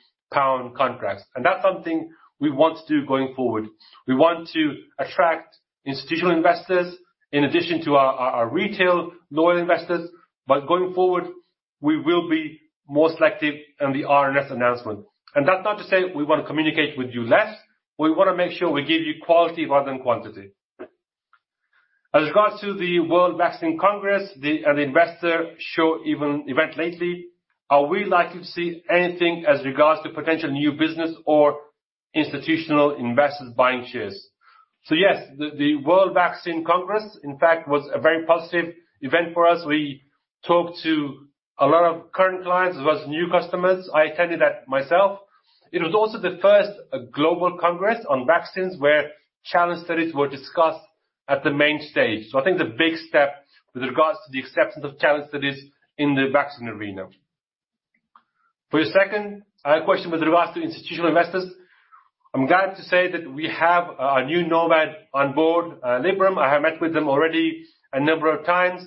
contracts. That's something we want to do going forward. We want to attract institutional investors in addition to our retail loyal investors. Going forward, we will be more selective in the RNS announcement. That's not to say we wanna communicate with you less. We wanna make sure we give you quality rather than quantity. As regards to the World Vaccine Congress and Investor Meet Company event lately, are we likely to see anything as regards to potential new business or institutional investors buying shares? Yes, the World Vaccine Congress, in fact, was a very positive event for us. We talked to a lot of current clients as well as new customers. I attended that myself. It was also the first global congress on vaccines where challenge studies were discussed at the main stage. I think the big step with regards to the acceptance of challenge studies in the vaccine arena. For your second question with regards to institutional investors, I'm glad to say that we have a new NOMAD on board, Liberum. I have met with them already a number of times.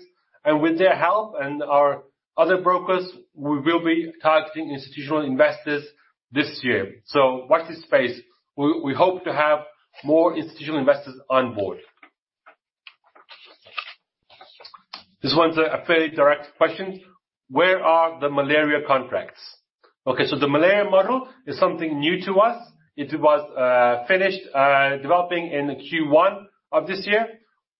With their help and our other brokers, we will be targeting institutional investors this year. So watch this space. We hope to have more institutional investors on board. This one's a fairly direct question. Where are the malaria contracts? Okay, so the malaria model is something new to us. It was finished developing in Q1 of this year.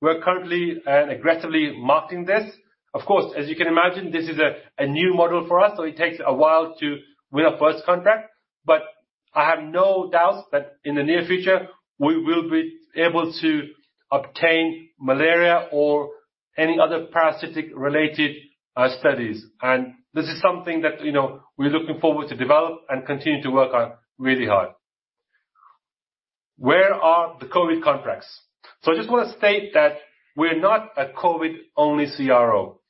We're currently and aggressively marketing this. Of course, as you can imagine, this is a new model for us, so it takes a while to win our first contract. But I have no doubt that in the near future we will be able to obtain malaria or any other parasitic related studies. This is something that, you know, we're looking forward to develop and continue to work on really hard. Where are the COVID contracts? I just wanna state that we're not a COVID-only CRO.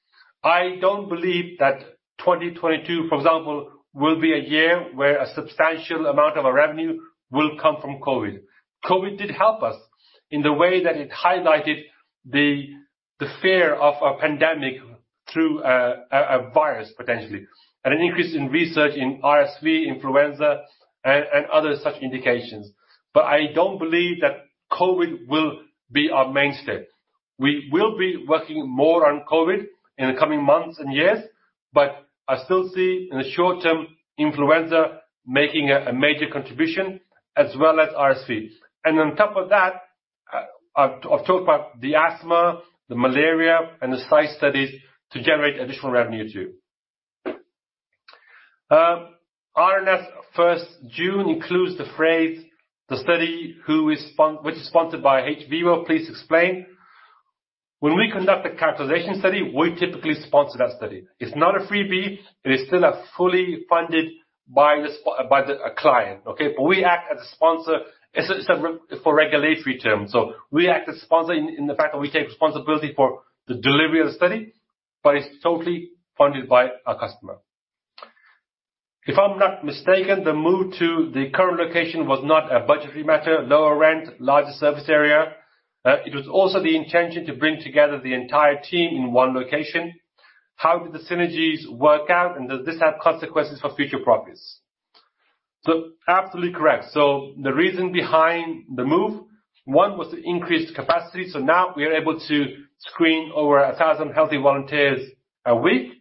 I don't believe that 2022, for example, will be a year where a substantial amount of our revenue will come from COVID. COVID did help us in the way that it highlighted the fear of a pandemic through a virus potentially, and an increase in research in RSV, influenza, and other such indications. I don't believe that COVID will be our mainstay. We will be working more on COVID in the coming months and years, but I still see in the short term influenza making a major contribution as well as RSV. On top of that, I've talked about the asthma, the malaria, and the site studies to generate additional revenue too. RNS 1st June includes the phrase, "The study which is sponsored by hVIVO". Please explain. When we conduct a characterization study, we typically sponsor that study. It's not a freebie, but it's still fully funded by the client, okay? We act as a sponsor as a separate for regulatory terms. We act as sponsor in the fact that we take responsibility for the delivery of the study, but it's totally funded by our customer. If I'm not mistaken, the move to the current location was not a budgetary matter, lower rent, larger service area. It was also the intention to bring together the entire team in one location. How did the synergies work out, and does this have consequences for future profits? Absolutely correct. The reason behind the move, one, was to increase capacity, so now we are able to screen over 1,000 healthy volunteers a week.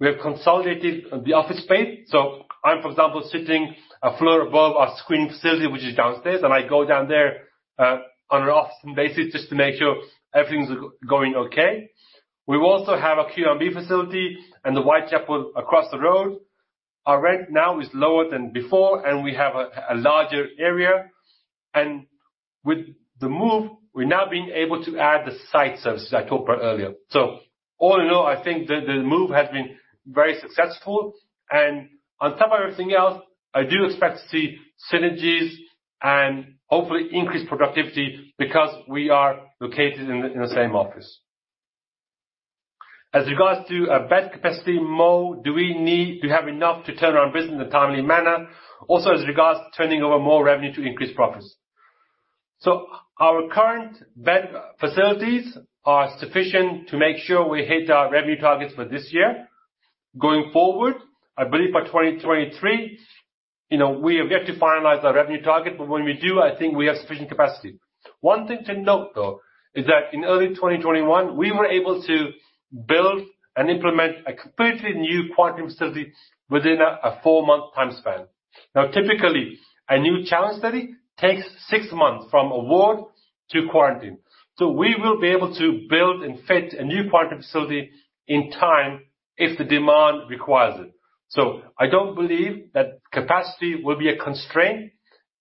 We have consolidated the office space. I'm, for example, sitting a floor above our screening facility, which is downstairs, and I go down there on a regular basis just to make sure everything's going okay. We also have a quarantine facility and the Whitechapel across the road. Our rent now is lower than before, and we have a larger area. With the move, we're now being able to add the site services I talked about earlier. All in all, I think the move has been very successful. On top of everything else, I do expect to see synergies and hopefully increased productivity because we are located in the same office. As regards to our bed capacity, Mo, do we need to have enough to turn around business in a timely manner? Also as regards to turning over more revenue to increase profits. Our current bed facilities are sufficient to make sure we hit our revenue targets for this year. Going forward, I believe by 2023, you know, we have yet to finalize our revenue target, but when we do, I think we have sufficient capacity. One thing to note, though, is that in early 2021, we were able to build and implement a completely new quarantine facility within a four-month time span. Now, typically, a new challenge study takes six months from award to quarantine. We will be able to build and fit a new quarantine facility in time if the demand requires it. I don't believe that capacity will be a constraint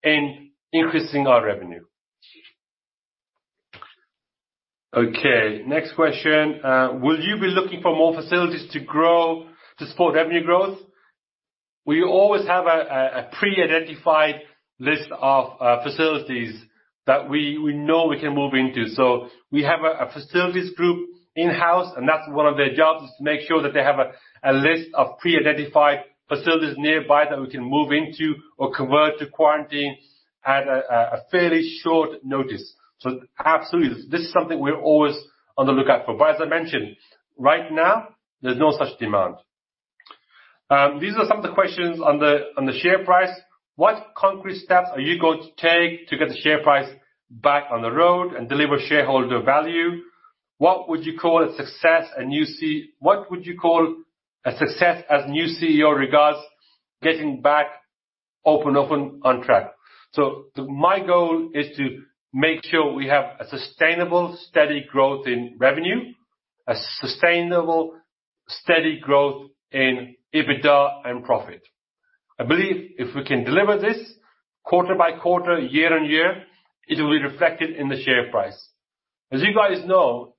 in increasing our revenue. Okay. Next question. Will you be looking for more facilities to support revenue growth? We always have a pre-identified list of facilities that we know we can move into. We have a facilities group in-house, and that's one of their jobs is to make sure that they have a list of pre-identified facilities nearby that we can move into or convert to quarantine at a fairly short notice. Absolutely. This is something we're always on the lookout for. As I mentioned, right now, there's no such demand. These are some of the questions on the share price. What concrete steps are you going to take to get the share price back on the road and deliver shareholder value? What would you call a success as new CEO regarding getting back Open Orphan on track? My goal is to make sure we have a sustainable, steady growth in revenue, a sustainable, steady growth in EBITDA and profit. I believe if we can deliver this quarter by quarter, year-on-year, it will be reflected in the share price. As you guys know,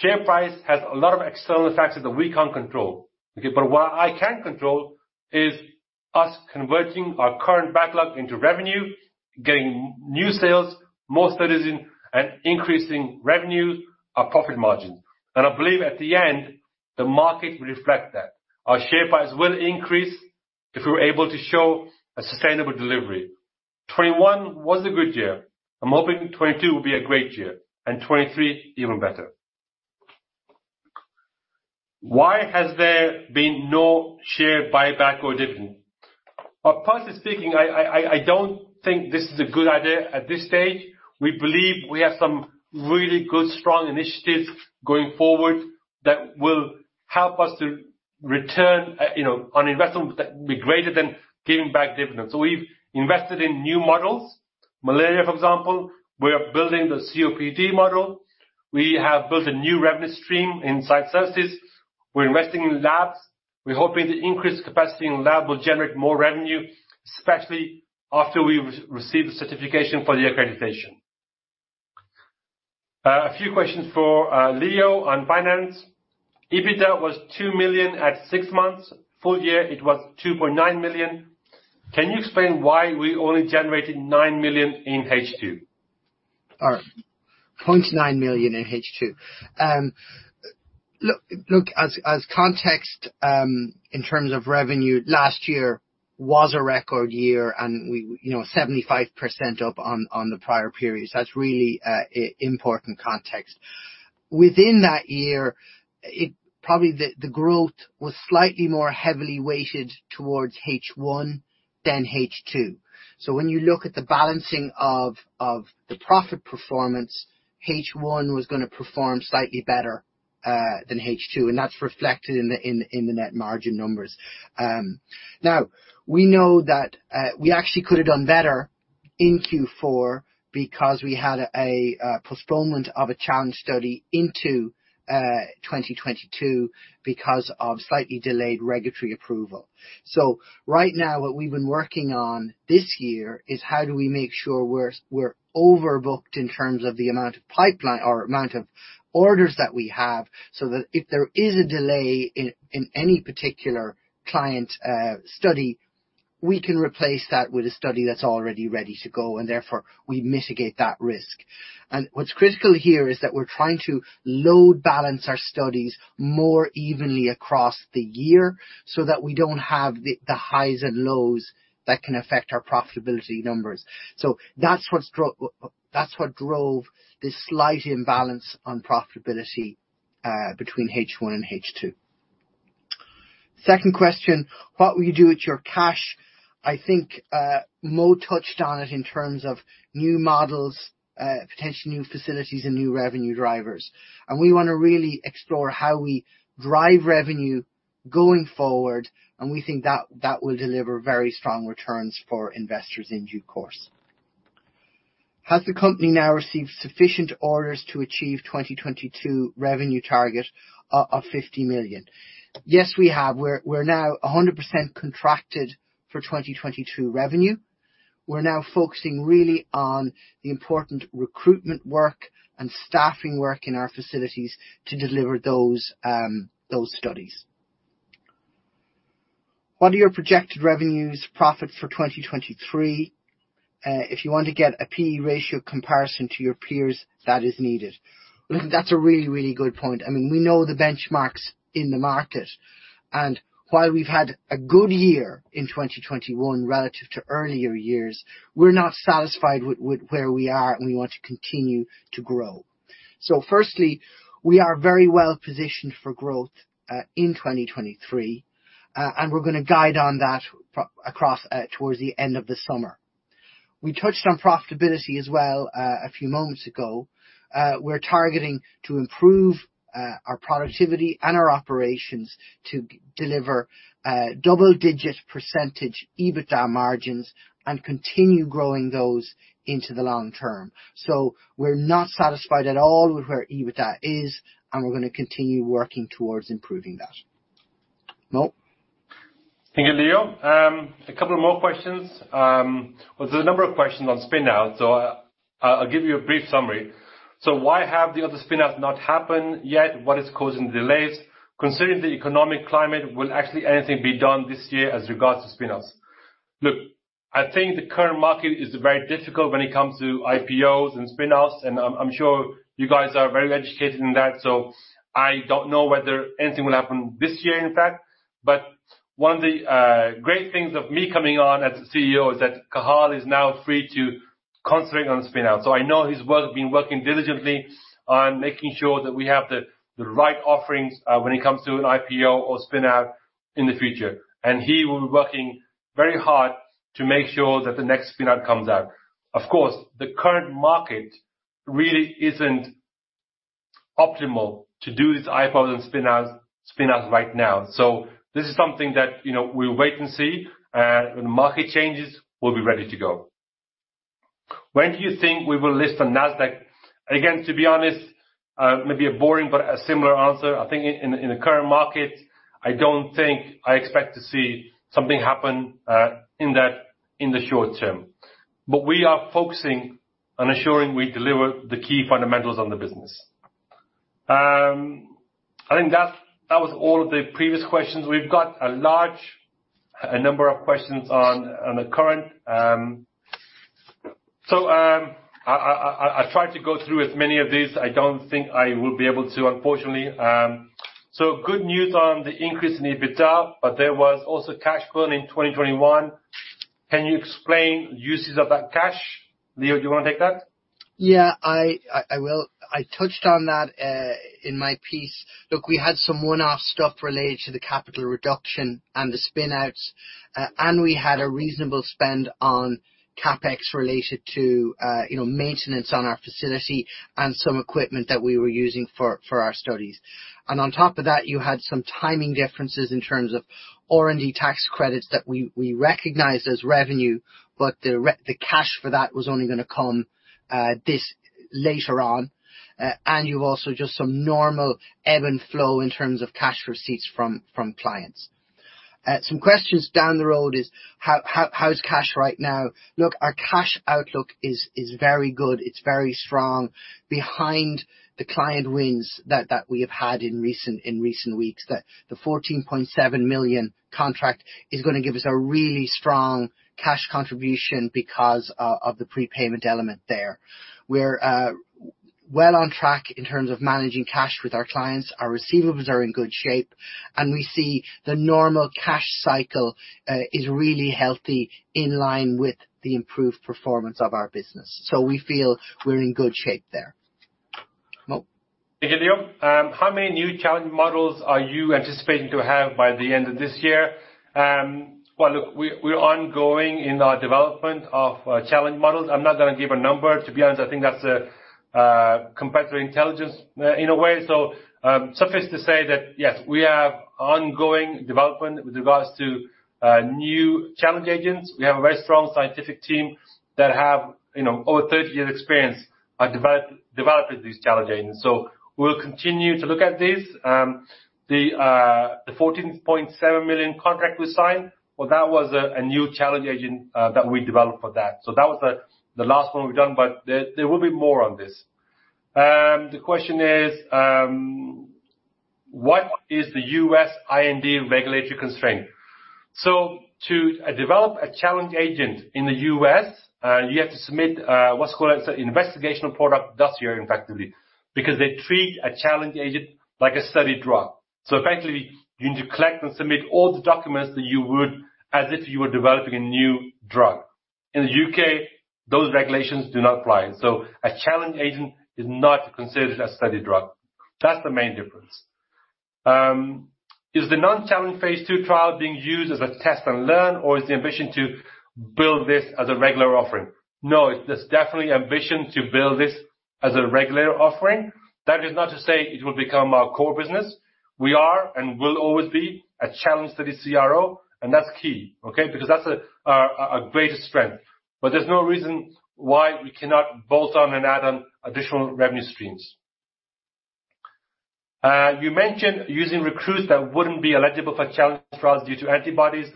share price has a lot of external factors that we can't control, okay? What I can control is us converting our current backlog into revenue, getting new sales, more clients, and increasing revenue, our profit margin. I believe at the end, the market will reflect that. Our share price will increase if we're able to show a sustainable delivery. 2021 was a good year. I'm hoping 2022 will be a great year, and 2023 even better. Why has there been no share buyback or dividend? Personally speaking, I don't think this is a good idea at this stage. We believe we have some really good, strong initiatives going forward that will help us to return on investment that will be greater than giving back dividends. We've invested in new models. Malaria, for example. We are building the COPD model. We have built a new revenue stream in site services. We're investing in labs. We're hoping the increased capacity in lab will generate more revenue, especially after we receive the certification for the accreditation. A few questions for Leo on finance. EBITDA was 2 million at six months. Full year, it was 2.9 million. Can you explain why we only generated 9 million in H2? 0.9 million in H2. Look, as context, in terms of revenue, last year was a record year, and we, you know, 75% up on the prior periods. That's really important context. Within that year, probably the growth was slightly more heavily weighted towards H1 than H2. When you look at the balancing of the profit performance, H1 was gonna perform slightly better than H2, and that's reflected in the net margin numbers. Now, we know that we actually could have done better in Q4 because we had a postponement of a challenge study into 2022 because of slightly delayed regulatory approval. Right now, what we've been working on this year is how do we make sure we're overbooked in terms of the amount of pipeline or amount of orders that we have, so that if there is a delay in any particular client study, we can replace that with a study that's already ready to go, and therefore we mitigate that risk. What's critical here is that we're trying to load balance our studies more evenly across the year so that we don't have the highs and lows that can affect our profitability numbers. That's what drove this slight imbalance on profitability between H1 and H2. Second question: What will you do with your cash? I think, Mo touched on it in terms of new models, potentially new facilities and new revenue drivers. We wanna really explore how we drive revenue going forward, and we think that will deliver very strong returns for investors in due course. Has the company now received sufficient orders to achieve 2022 revenue target of 50 million? Yes, we have. We're now 100% contracted for 2022 revenue. We're now focusing really on the important recruitment work and staffing work in our facilities to deliver those studies. What are your projected revenues profit for 2023? If you want to get a P/E ratio comparison to your peers, that is needed. Listen, that's a really good point. I mean, we know the benchmarks in the market. While we've had a good year in 2021 relative to earlier years, we're not satisfied with where we are, and we want to continue to grow. Firstly, we are very well-positioned for growth in 2023, and we're gonna guide on that towards the end of the summer. We touched on profitability as well, a few moments ago. We're targeting to improve our productivity and our operations to deliver double-digit % EBITDA margins and continue growing those into the long term. We're not satisfied at all with where EBITDA is, and we're gonna continue working towards improving that. Mo? Thank you, Leo. A couple of more questions. Well, there's a number of questions on spin-out, so I'll give you a brief summary. Why have the other spin-out not happened yet? What is causing the delays? Considering the economic climate, will actually anything be done this year as regards to spin-outs? Look, I think the current market is very difficult when it comes to IPOs and spin-outs, and I'm sure you guys are very educated in that. I don't know whether anything will happen this year, in fact. One of the great things of me coming on as the CEO is that Cathal is now free to concentrate on spin-outs. I know he's been working diligently on making sure that we have the right offerings when it comes to an IPO or spin-out in the future. He will be working very hard to make sure that the next spin out comes out. Of course, the current market really isn't optimal to do this IPO and spin out right now. This is something that, you know, we'll wait and see. When the market changes, we'll be ready to go. When do you think we will list on Nasdaq? Again, to be honest, maybe a boring but a similar answer. I think in the current market, I don't think I expect to see something happen in the short term. We are focusing on ensuring we deliver the key fundamentals on the business. I think that was all of the previous questions. We've got a large number of questions on the current. I try to go through as many of these. I don't think I will be able to, unfortunately. Good news on the increase in EBITDA, but there was also cash burn in 2021. Can you explain uses of that cash? Leo, do you wanna take that? Yeah, I will. I touched on that in my piece. Look, we had some one-off stuff related to the capital reduction and the spin outs, and we had a reasonable spend on CapEx related to, you know, maintenance on our facility and some equipment that we were using for our studies. On top of that, you had some timing differences in terms of R&D tax credits that we recognized as revenue, but the cash for that was only gonna come this later on. You also just some normal ebb and flow in terms of cash receipts from clients. Some questions down the road is how's cash right now? Look, our cash outlook is very good. It's very strong behind the client wins that we have had in recent weeks. The 14.7 million contract is gonna give us a really strong cash contribution because of the prepayment element there. We're well on track in terms of managing cash with our clients. Our receivables are in good shape, and we see the normal cash cycle is really healthy in line with the improved performance of our business. We feel we're in good shape there. Mo. Thank you, Leo. How many new challenge models are you anticipating to have by the end of this year? Well, look, we're ongoing in our development of challenge models. I'm not gonna give a number. To be honest, I think that's a competitive intelligence in a way. Suffice to say that, yes, we have ongoing development with regards to new challenge agents. We have a very strong scientific team that have, you know, over 30 years experience at developing these challenge agents. We'll continue to look at this. The 14.7 million contract we signed, well, that was a new challenge agent that we developed for that. That was the last one we've done, but there will be more on this. The question is, what is the U.S. IND regulatory constraint? To develop a challenge agent in the U.S., you have to submit what's called investigational product dossier, effectively, because they treat a challenge agent like a study drug. Effectively, you need to collect and submit all the documents that you would as if you were developing a new drug. In the U.K., those regulations do not apply. A challenge agent is not considered a study drug. That's the main difference. Is the non-challenge phase II trial being used as a test and learn, or is the ambition to build this as a regular offering? No, there's definitely ambition to build this as a regular offering. That is not to say it will become our core business. We are and will always be a challenge study CRO, and that's key, okay? Because that's our greatest strength. There's no reason why we cannot bolt on and add on additional revenue streams. You mentioned using recruits that wouldn't be eligible for challenge trials due to antibodies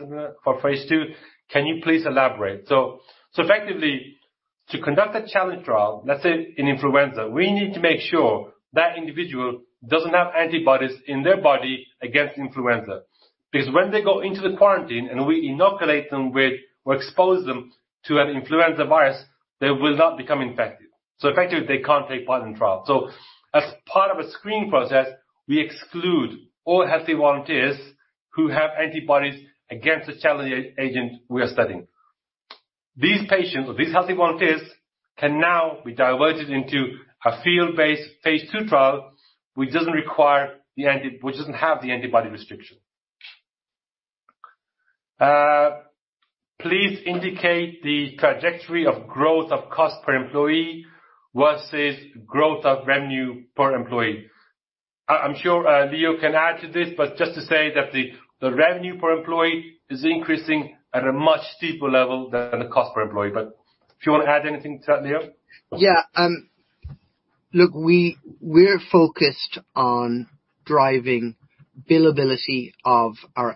for phase II. Can you please elaborate? Effectively, to conduct a challenge trial, let's say in influenza, we need to make sure that the individual doesn't have antibodies in their body against influenza. Because when they go into the quarantine and we inoculate them with or expose them to an influenza virus, they will not become infected. Effectively, they can't take part in the trial. As part of a screening process, we exclude all healthy volunteers who have antibodies against the challenge agent we are studying. These patients or these healthy volunteers can now be diverted into a field-based phase II trial, which doesn't have the antibody restriction. Please indicate the trajectory of growth of cost per employee versus growth of revenue per employee. I'm sure Leo can add to this, but just to say that the revenue per employee is increasing at a much steeper level than the cost per employee. If you wanna add anything to that, Leo. Yeah. Look, we're focused on driving billability of our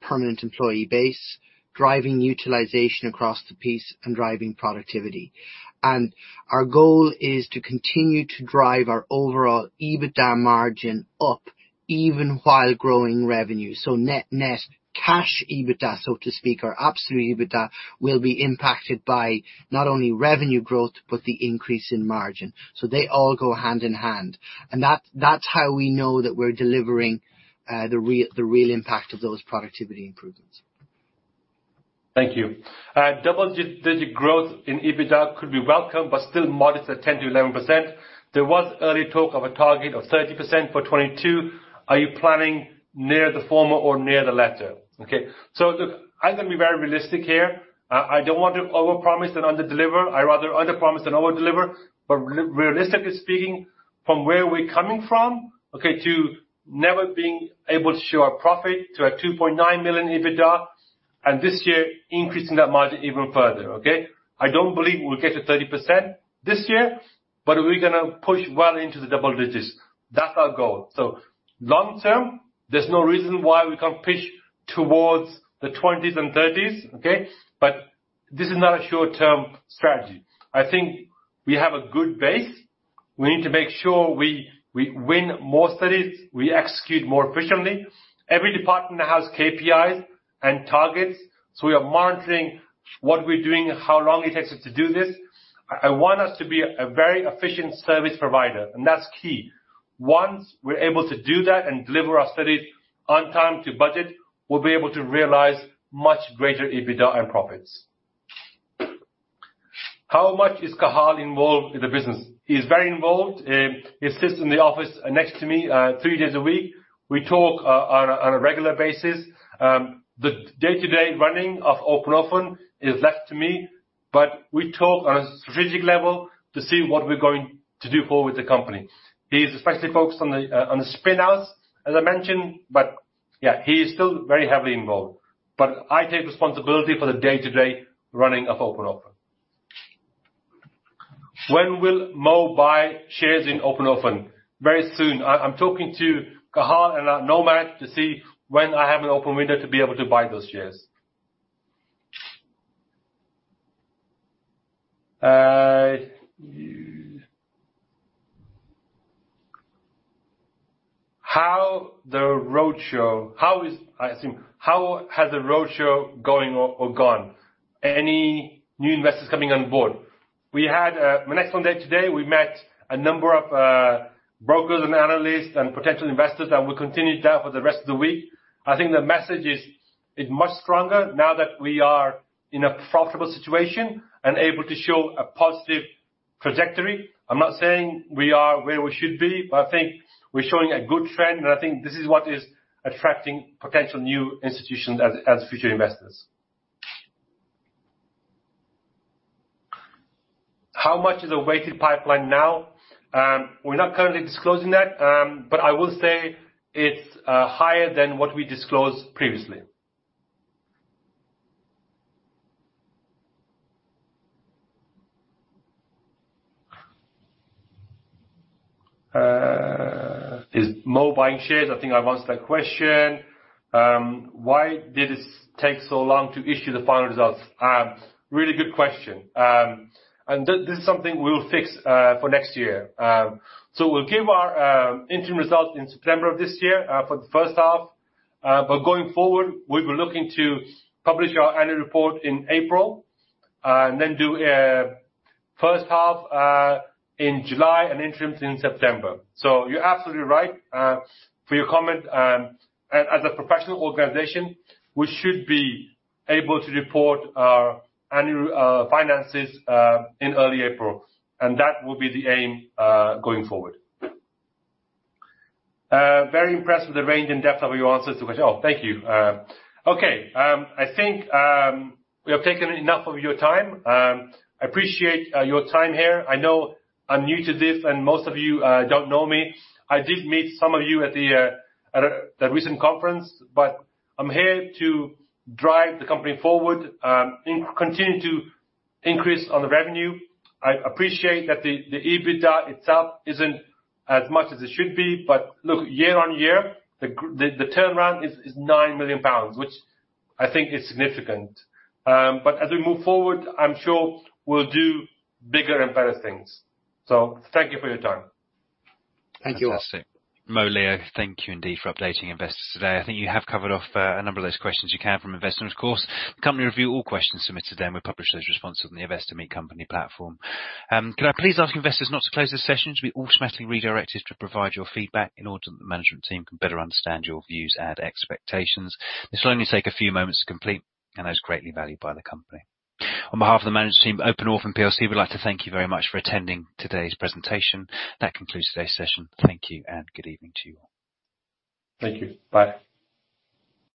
permanent employee base, driving utilization across the board and driving productivity. Our goal is to continue to drive our overall EBITDA margin up even while growing revenue. Net cash EBITDA, so to speak, or absolute EBITDA, will be impacted by not only revenue growth, but the increase in margin. They all go hand in hand. That's how we know that we're delivering the real impact of those productivity improvements. Thank you. Double-digit growth in EBITDA could be welcome, but still modest at 10%-11%. There was early talk of a target of 30% for 2022. Are you planning near the former or near the latter? Okay, look, I'm gonna be very realistic here. I don't want to overpromise and under-deliver. I rather under promise and over deliver. Realistically speaking, from where we're coming from, okay, to never being able to show a profit to a 2.9 million EBITDA, and this year increasing that margin even further. Okay. I don't believe we'll get to 30% this year, but we're gonna push well into the double digits. That's our goal. Long term, there's no reason why we can't push towards the 20s and 30s, okay? This is not a short-term strategy. I think we have a good base. We need to make sure we win more studies, we execute more efficiently. Every department has KPIs and targets, so we are monitoring what we're doing, how long it takes us to do this. I want us to be a very efficient service provider, and that's key. Once we're able to do that and deliver our studies on time to budget, we'll be able to realize much greater EBITDA and profits. How much is Cathal involved in the business? He is very involved. He sits in the office next to me three days a week. We talk on a regular basis. The day-to-day running of Open Orphan is left to me, but we talk on a strategic level to see what we're going to do forward with the company. He is especially focused on the spin-outs, as I mentioned. Yeah, he is still very heavily involved. I take responsibility for the day-to-day running of Open Orphan. When will Mo buy shares in Open Orphan? Very soon. I'm talking to Cathal and NOMAD to see when I have an open window to be able to buy those shares. How has the roadshow going or gone? Any new investors coming on board? We have one today, we met a number of brokers and analysts and potential investors, and we'll continue that for the rest of the week. I think the message is much stronger now that we are in a profitable situation and able to show a positive trajectory. I'm not saying we are where we should be, but I think we're showing a good trend, and I think this is what is attracting potential new institutions as future investors. How much is a weighted pipeline now? We're not currently disclosing that, but I will say it's higher than what we disclosed previously. Is Mo buying shares? I think I've answered that question. Why did it take so long to issue the final results? Really good question. This is something we'll fix for next year. We'll give our interim results in September of this year for the first half. But going forward, we'll be looking to publish our annual report in April and then do a first half in July and interims in September. You're absolutely right for your comment. As a professional organization, we should be able to report our annual finances in early April, and that will be the aim going forward. Very impressed with the range and depth of your answers to questions. Oh, thank you. Okay. I think we have taken enough of your time. I appreciate your time here. I know I'm new to this, and most of you don't know me. I did meet some of you at a recent conference. I'm here to drive the company forward and continue to increase on the revenue. I appreciate that the EBITDA itself isn't as much as it should be, but look, year-on-year, the turnaround is 9 million pounds, which I think is significant. As we move forward, I'm sure we'll do bigger and better things. Thank you for your time. Thank you. Fantastic. Mo, Leo, thank you indeed for updating investors today. I think you have covered off a number of those questions that came from investors, of course. The company reviews all questions submitted to them. We publish those responses on the Investor Meet Company platform. Could I please ask investors not to close this session? You should be automatically redirected to provide your feedback in order that the management team can better understand your views and expectations. This will only take a few moments to complete and is greatly valued by the company. On behalf of the management team, Open Orphan plc, we'd like to thank you very much for attending today's presentation. That concludes today's session. Thank you and good evening to you all. Thank you. Bye.